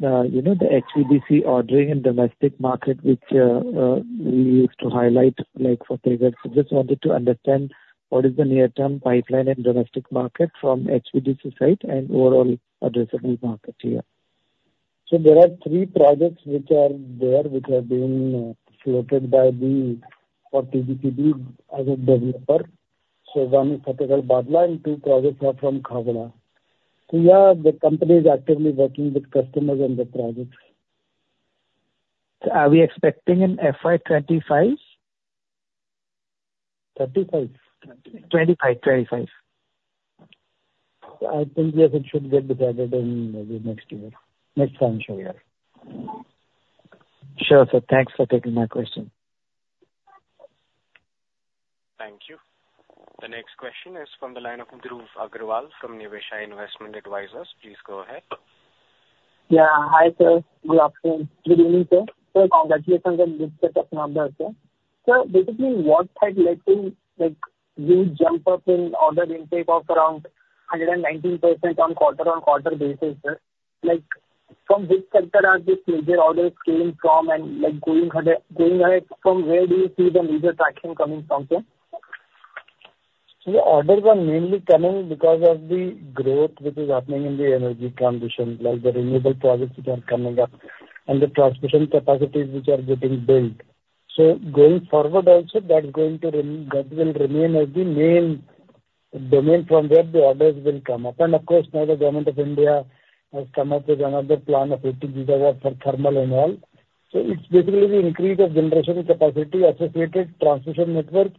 you know, the HVDC ordering and domestic market, which we used to highlight, like, for example, so just wanted to understand what is the near-term pipeline and domestic market from HVDC side and overall addressable market here? So there are three projects which are there, which are being floated by the for TBCB as a developer. So one is in Bhadla, and two projects are from Khavda. So, yeah, the company is actively working with customers on the projects. Are we expecting in FY 2025? 2035? 2025. I think, yes, it should get better in maybe next year. Next time, sure, yeah. Sure, sir. Thanks for taking my question. Thank you. The next question is from the line of Dhruv Agarwal from Niveshaay Investment Advisors. Please go ahead. Yeah. Hi, sir. Good afternoon. Good evening, sir. So congratulations on the set of numbers, sir. Sir, basically, what had led to, like, you jump up in order intake of around 119% on quarter-on-quarter basis, sir? Like, from which sector are these major orders coming from, and, like, going ahead, going ahead, from where do you see the major traction coming from, sir? So the orders are mainly coming because of the growth which is happening in the energy transition, like the renewable projects which are coming up and the transmission capacities which are getting built. So going forward also, that will remain as the main domain from where the orders will come up. And of course, now the Government of India has come up with another plan of 80 GW for thermal and all. So it's basically the increase of generation capacity associated transmission network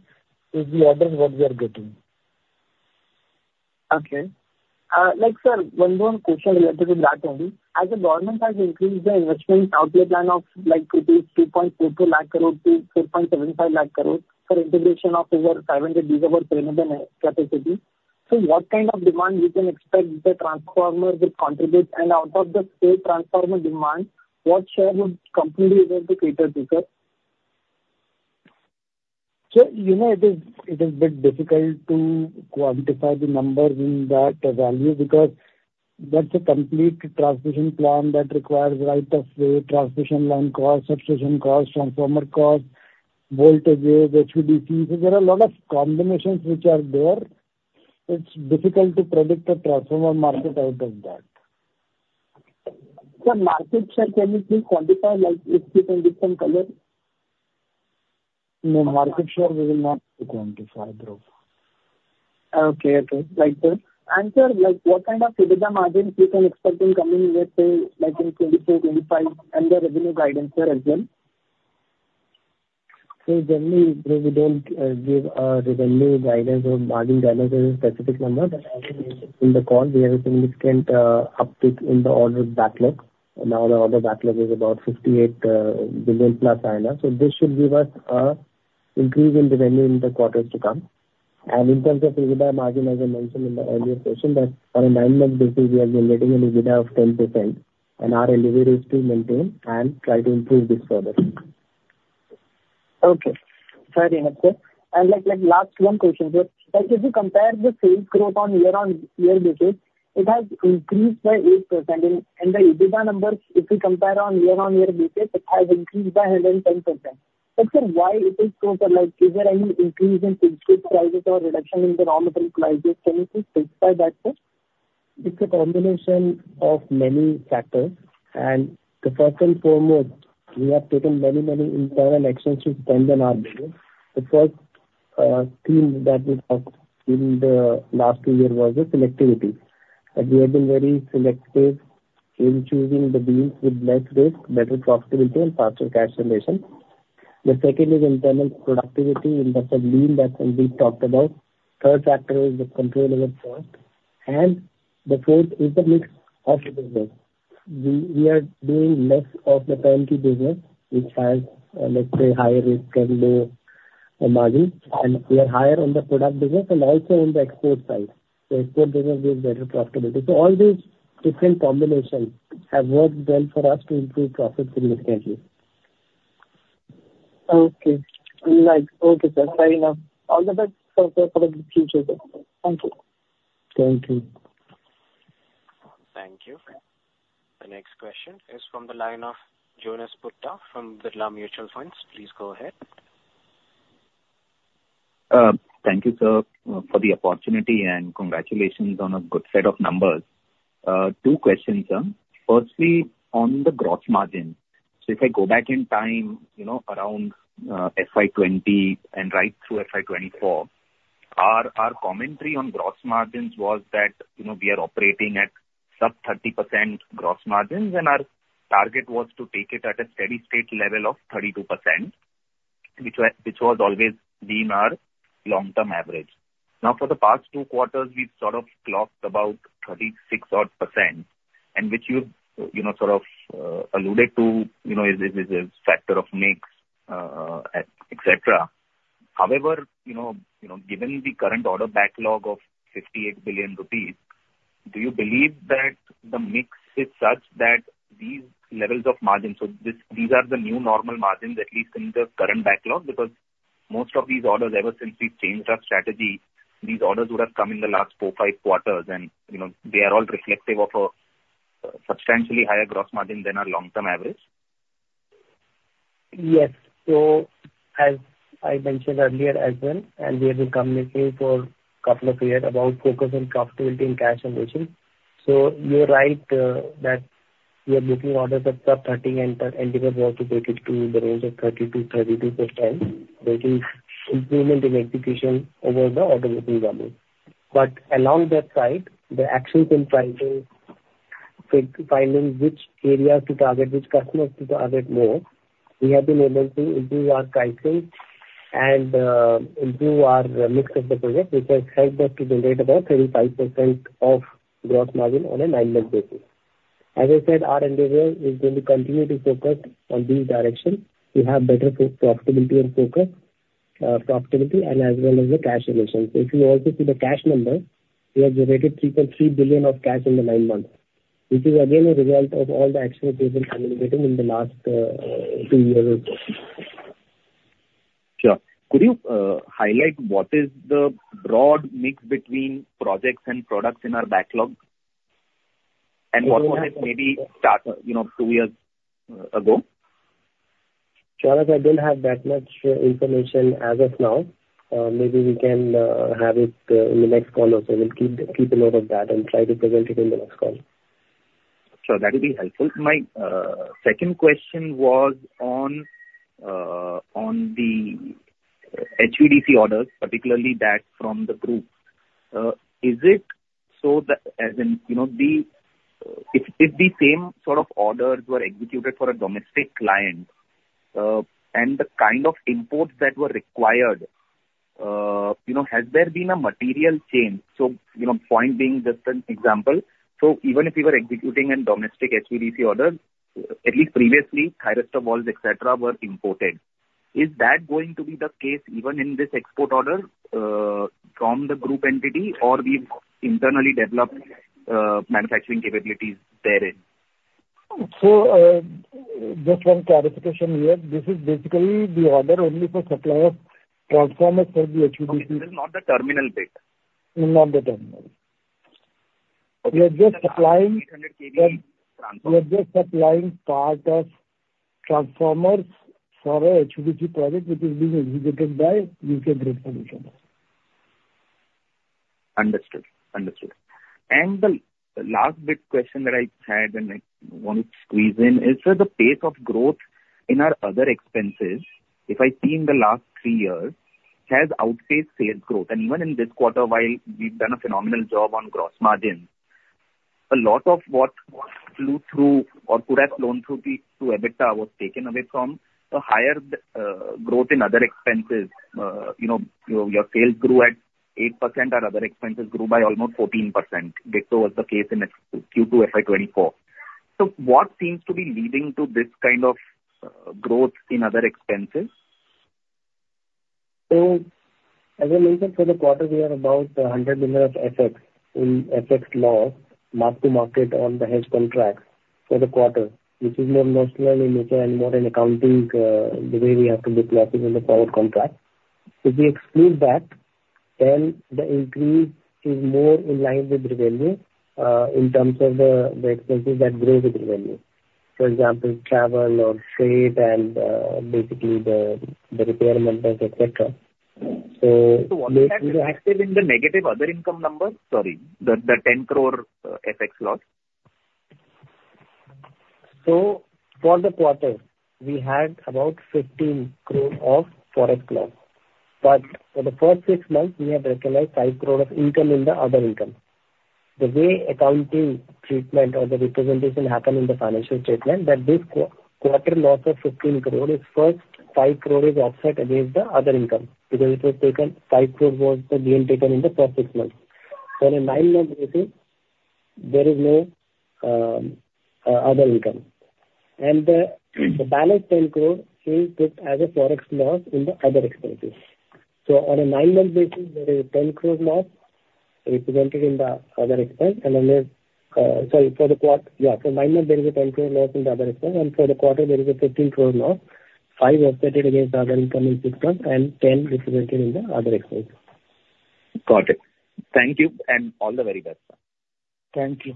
is the orders what we are getting. Okay. Like, sir, one more question related to that only. As the government has increased the investment outlay plan of, like, to 342,000 crore to 475,000 crore for installation of over 500 GW renewable capacity. So what kind of demand we can expect the transformer will contribute, and out of the state transformer demand, what share would company be able to create this, sir? You know, it is, it is a bit difficult to quantify the numbers in that value, because that's a complete transmission plan that requires right of way, transmission line cost, substation cost, transformer cost, voltages, HVDC. There are a lot of combinations which are there. It's difficult to predict a transformer market out of that. Sir, market share, can you please quantify, like, if you can give some color? No, market share we will not quantify, Dhruv. Okay. Okay, like, sir. And sir, like, what kind of EBITDA margins we can expect in coming year, say, like in 2024, 2025, and the revenue guidance, sir, as well? So generally, we don't give revenue guidance or margin guidance as a specific number. But as I mentioned in the call, we have a significant uptick in the order backlog. Now, the order backlog is about 58 billion plus INR. So this should give us increase in revenue in the quarters to come. And in terms of EBITDA margin, as I mentioned in the earlier question, that on a nine-month basis, we have been getting an EBITDA of 10%, and our delivery is to maintain and try to improve this further. Okay. Fair enough, sir. Like, like, last one question, sir. Like, if you compare the sales growth on year-on-year basis, it has increased by 8%, and, and the EBITDA numbers, if you compare on year-on-year basis, it has increased by 110%. But sir, why it is so, sir? Like, is there any increase in fixed prices or reduction in the raw material prices? Can you please specify that, sir? It's a combination of many factors. The first and foremost, we have taken many, many internal actions to spend on our business. The first theme that we talked in the last two years was the selectivity, that we have been very selective in choosing the deals with less risk, better profitability and faster cash generation. The second is internal productivity in the lean that we talked about. Third factor is the control over cost. The fourth is the mix of the business. We, we are doing less of the turnkey business, which has let's say, higher risk and low margin, and we are higher on the product business and also on the export side. The export business gives better profitability. So all these different combinations have worked well for us to improve profits significantly. Okay. Like, okay, sir. Fair enough. All the best, sir, for the future. Thank you. Thank you. Thank you. The next question is from the line of Jonas Bhutta from Birla Mutual Funds. Please go ahead. Thank you, sir, for the opportunity, and congratulations on a good set of numbers. Two questions, sir. Firstly, on the gross margin. So if I go back in time, you know, around FY 2020 and right through FY 2024, our, our commentary on gross margins was that, you know, we are operating at sub 30% gross margins, and our target was to take it at a steady state level of 32%, which was, which was always been our long-term average. Now, for the past two quarters, we've sort of clocked about 36-odd%, and which you, you know, sort of alluded to, you know, is, is, is a factor of mix, et cetera. However, you know, you know, given the current order backlog of 58 billion rupees, do you believe that the mix is such that these levels of margins, so this, these are the new normal margins, at least in the current backlog? Because most of these orders, ever since we've changed our strategy, these orders would have come in the last four, five quarters, and, you know, they are all reflective of a substantially higher gross margin than our long-term average. Yes. So as I mentioned earlier as well, and we have been communicating for a couple of years about focus on profitability and cash generation. So you are right, that we are booking orders of sub-13%, and we have to take it to the range of 30%-32%, which is improvement in execution over the order booking value. But along that side, the action in pricing, finding which areas to target, which customers to target more, we have been able to improve our cycle and, improve our mix of the project, which has helped us to generate about 35% of gross margin on a nine-month basis. As I said, our endeavor is going to continue to focus on this direction. We have better pro-profitability and focus, profitability and as well as the cash generation. So if you also see the cash number, we have generated 3.3 billion of cash in the nine months, which is again a result of all the action that we have been undertaking in the last two years or so. Sure. Could you highlight what is the broad mix between projects and products in our backlog? And what was it maybe start, you know, two years ago? Jonas, I don't have that much information as of now. Maybe we can have it in the next call. Also, we'll keep a note of that and try to present it in the next call. Sure, that will be helpful. My second question was on the HVDC orders, particularly that from the group. Is it so that, as in, you know, if the same sort of orders were executed for a domestic client, and the kind of imports that were required, you know, has there been a material change? So, you know, point being just an example, so even if you were executing a domestic HVDC order, at least previously, thyristor valves, etc., were imported. Is that going to be the case even in this export order from the group entity or we've internally developed manufacturing capabilities therein? Just one clarification here. This is basically the order only for supplier transformers for the HVDC. Not the terminal bit. Not the terminal. Okay. We are just supplying- 100 kV transformer. We are just supplying part of transformers for a HVDC project, which is being executed by GE Grid Solutions. Understood. Understood. The last big question that I had, and I want to squeeze in, is that the pace of growth in our other expenses, if I see in the last three years, has outpaced sales growth. Even in this quarter, while we've done a phenomenal job on gross margins, a lot of what flew through or could have flown through the, to EBITDA was taken away from the higher growth in other expenses. You know, your sales grew at 8%, other expenses grew by almost 14%. Likewise was the case in Q2 FY 2024. What seems to be leading to this kind of growth in other expenses? So, as I mentioned, for the quarter, we are about 100 million of forex effects in forex effects loss, mark to market on the hedge contracts for the quarter, which is more non-cash in nature and more in accounting, the way we have to book profits in the forward contract. If we exclude that, then the increase is more in line with the revenue, in terms of the, the expenses that grow with the revenue. For example, travel or freight and, basically the, the raw materials, etc. So- So what is active in the negative other income numbers? Sorry, the 10 crore FX loss. So for the quarter, we had about 15 crore of Forex loss, but for the first six months, we have recognized 5 crore of income in the other income. The way accounting treatment or the representation happened in the financial statement, that this quarter loss of 15 crore is first 5 crore is offset against the other income, because it was taken 5 crore was the gain taken in the first six months. On a nine-month basis, there is no other income, and the balance 10 crore is took as a Forex loss in the other expenses. So on a nine-month basis, there is 10 crore loss represented in the other expense, and then there... Sorry for the quarter. Yeah, so nine months there is a 10 crore loss in the other expense, and for the quarter there is a 15 crore loss, 5 crore offset it against other income in system and 10 crore represented in the other expense. Got it. Thank you, and all the very best. Thank you.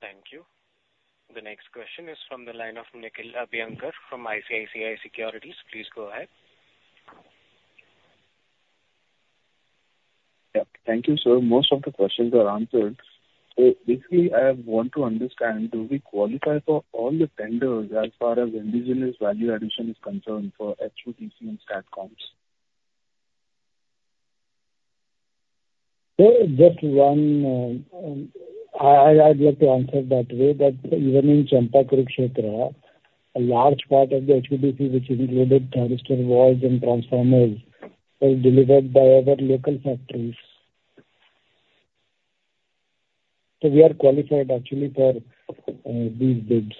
Thank you. The next question is from the line of Nikhil Abhyankar from ICICI Securities. Please go ahead. Yeah. Thank you, sir. Most of the questions are answered. So basically, I want to understand, do we qualify for all the tenders as far as indigenous value addition is concerned for HVDC and STATCOMs? Just one, I'd like to answer that way, that even in Champa-Kurukshetra, a large part of the HVDC, which included thyristor valves and transformers, were delivered by our local factories. So we are qualified actually for these bids.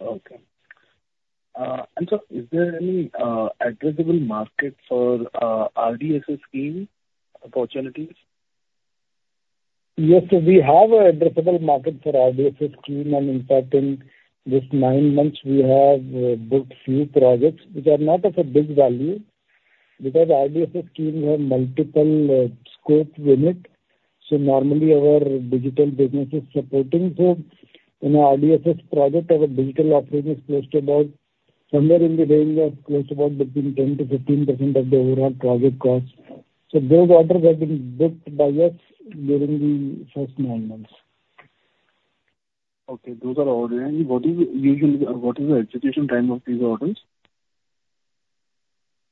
Okay. And so is there any addressable market for RDSS scheme opportunities? Yes, so we have an addressable market for RDSS scheme, and in fact, in this nine months, we have booked few projects which are not of a big value, because RDSS scheme have multiple scopes in it. So normally, our digital business is supporting. So in our RDSS project, our digital offering is close to about somewhere in the range of close to about between 10%-15% of the overall project cost. So those orders have been booked by us during the first nine months. Okay, those are orders. And what is usually, what is the execution time of these orders?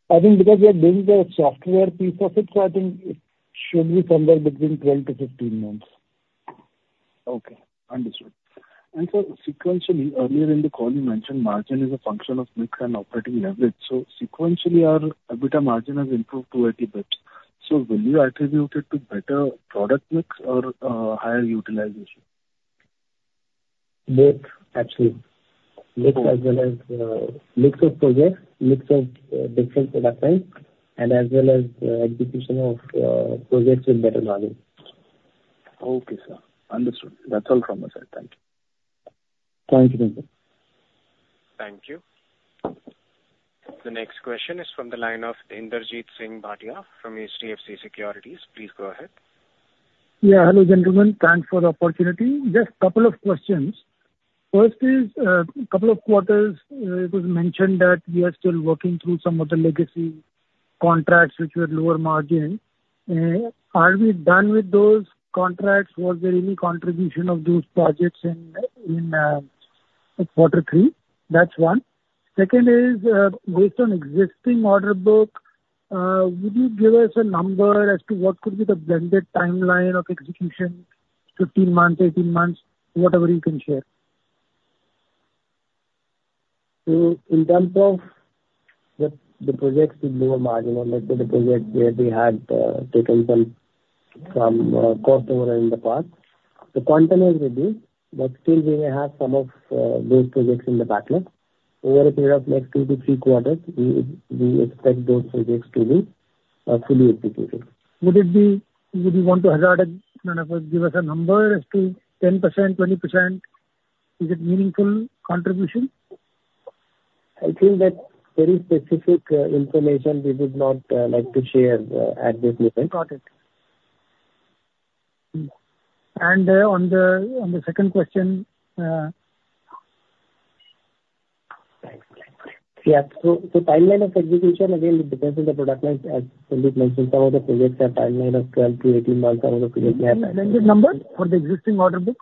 I think because we are doing the software piece of it, so I think it should be somewhere between 12-15 months. Okay, understood. And sir, sequentially, earlier in the call, you mentioned margin is a function of mix and operating leverage. So sequentially, our EBITDA margin has improved a little bit. So will you attribute it to better product mix or higher utilization? Both, actually. Mix as well as mix of projects, mix of different product lines, and as well as execution of projects with better margin. Okay, sir. Understood. That's all from my side. Thank you. Thank you, Nikhil. Thank you. The next question is from the line of Inderjeet Singh Bhatia from HDFC Securities. Please go ahead. Yeah. Hello, gentlemen. Thanks for the opportunity. Just a couple of questions. First is, couple of quarters, it was mentioned that we are still working through some of the legacy contracts which were lower margin. Are we done with those contracts? Was there any contribution of those projects in quarter three? That's one. Second is, based on existing order book, would you give us a number as to what could be the blended timeline of execution? 15 months, 18 months, whatever you can share. So in terms of the projects with lower margin, or let's say the project where we had taken some cost over in the past, the quantum has reduced, but still we may have some of those projects in the backlog. Over a period of next two to three quarters, we expect those projects to be fully executed. Would you want to hazard and, kind of, give us a number as to 10%, 20%? Is it meaningful contribution? I think that's very specific information we would not like to share at this moment. Got it. And on the second question... Yeah. So, so timeline of execution, again, it depends on the product line. As Sandeep mentioned, some of the projects have timeline of 12-18 months. Some of the projects have- Blended number for the existing order book?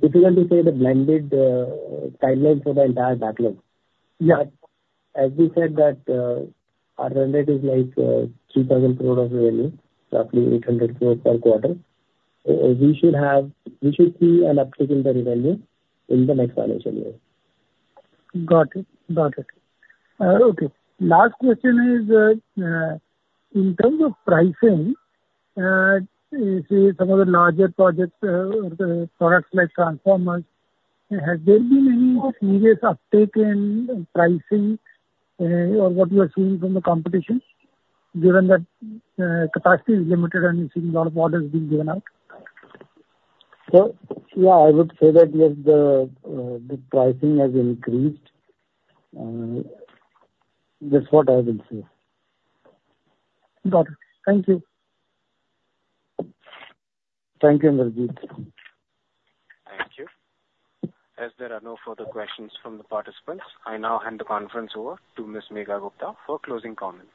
Difficult to say the blended timeline for the entire backlog. Yeah. As we said, that, our revenue is like 3,000 crore of revenue, roughly 800 crore per quarter. We should have, we should see an uptick in the revenue in the next financial year. Got it. Got it. Okay. Last question is, in terms of pricing, say some of the larger projects, products like transformers, has there been any serious uptick in pricing, or what you are seeing from the competition, given that, capacity is limited and you're seeing a lot of orders being given out? So, yeah, I would say that, yes, the pricing has increased. That's what I will say. Got it. Thank you. Thank you, Inderjeet. Thank you. As there are no further questions from the participants, I now hand the conference over to Ms. Megha Gupta for closing comments.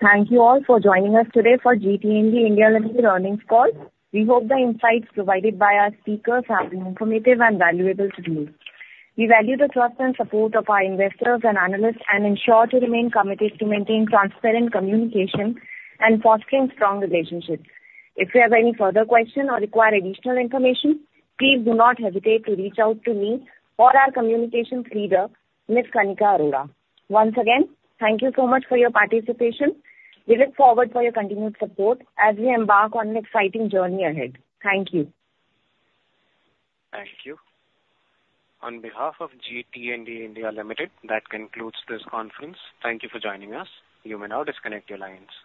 Thank you all for joining us today for GE T&D India Limited earnings call. We hope the insights provided by our speakers have been informative and valuable to you. We value the trust and support of our investors and analysts, and ensure to remain committed to maintaining transparent communication and fostering strong relationships. If you have any further question or require additional information, please do not hesitate to reach out to me or our communications leader, Ms. Kanika Arora. Once again, thank you so much for your participation. We look forward for your continued support as we embark on an exciting journey ahead. Thank you. Thank you. On behalf of GE T&D India Limited, that concludes this conference. Thank you for joining us. You may now disconnect your lines.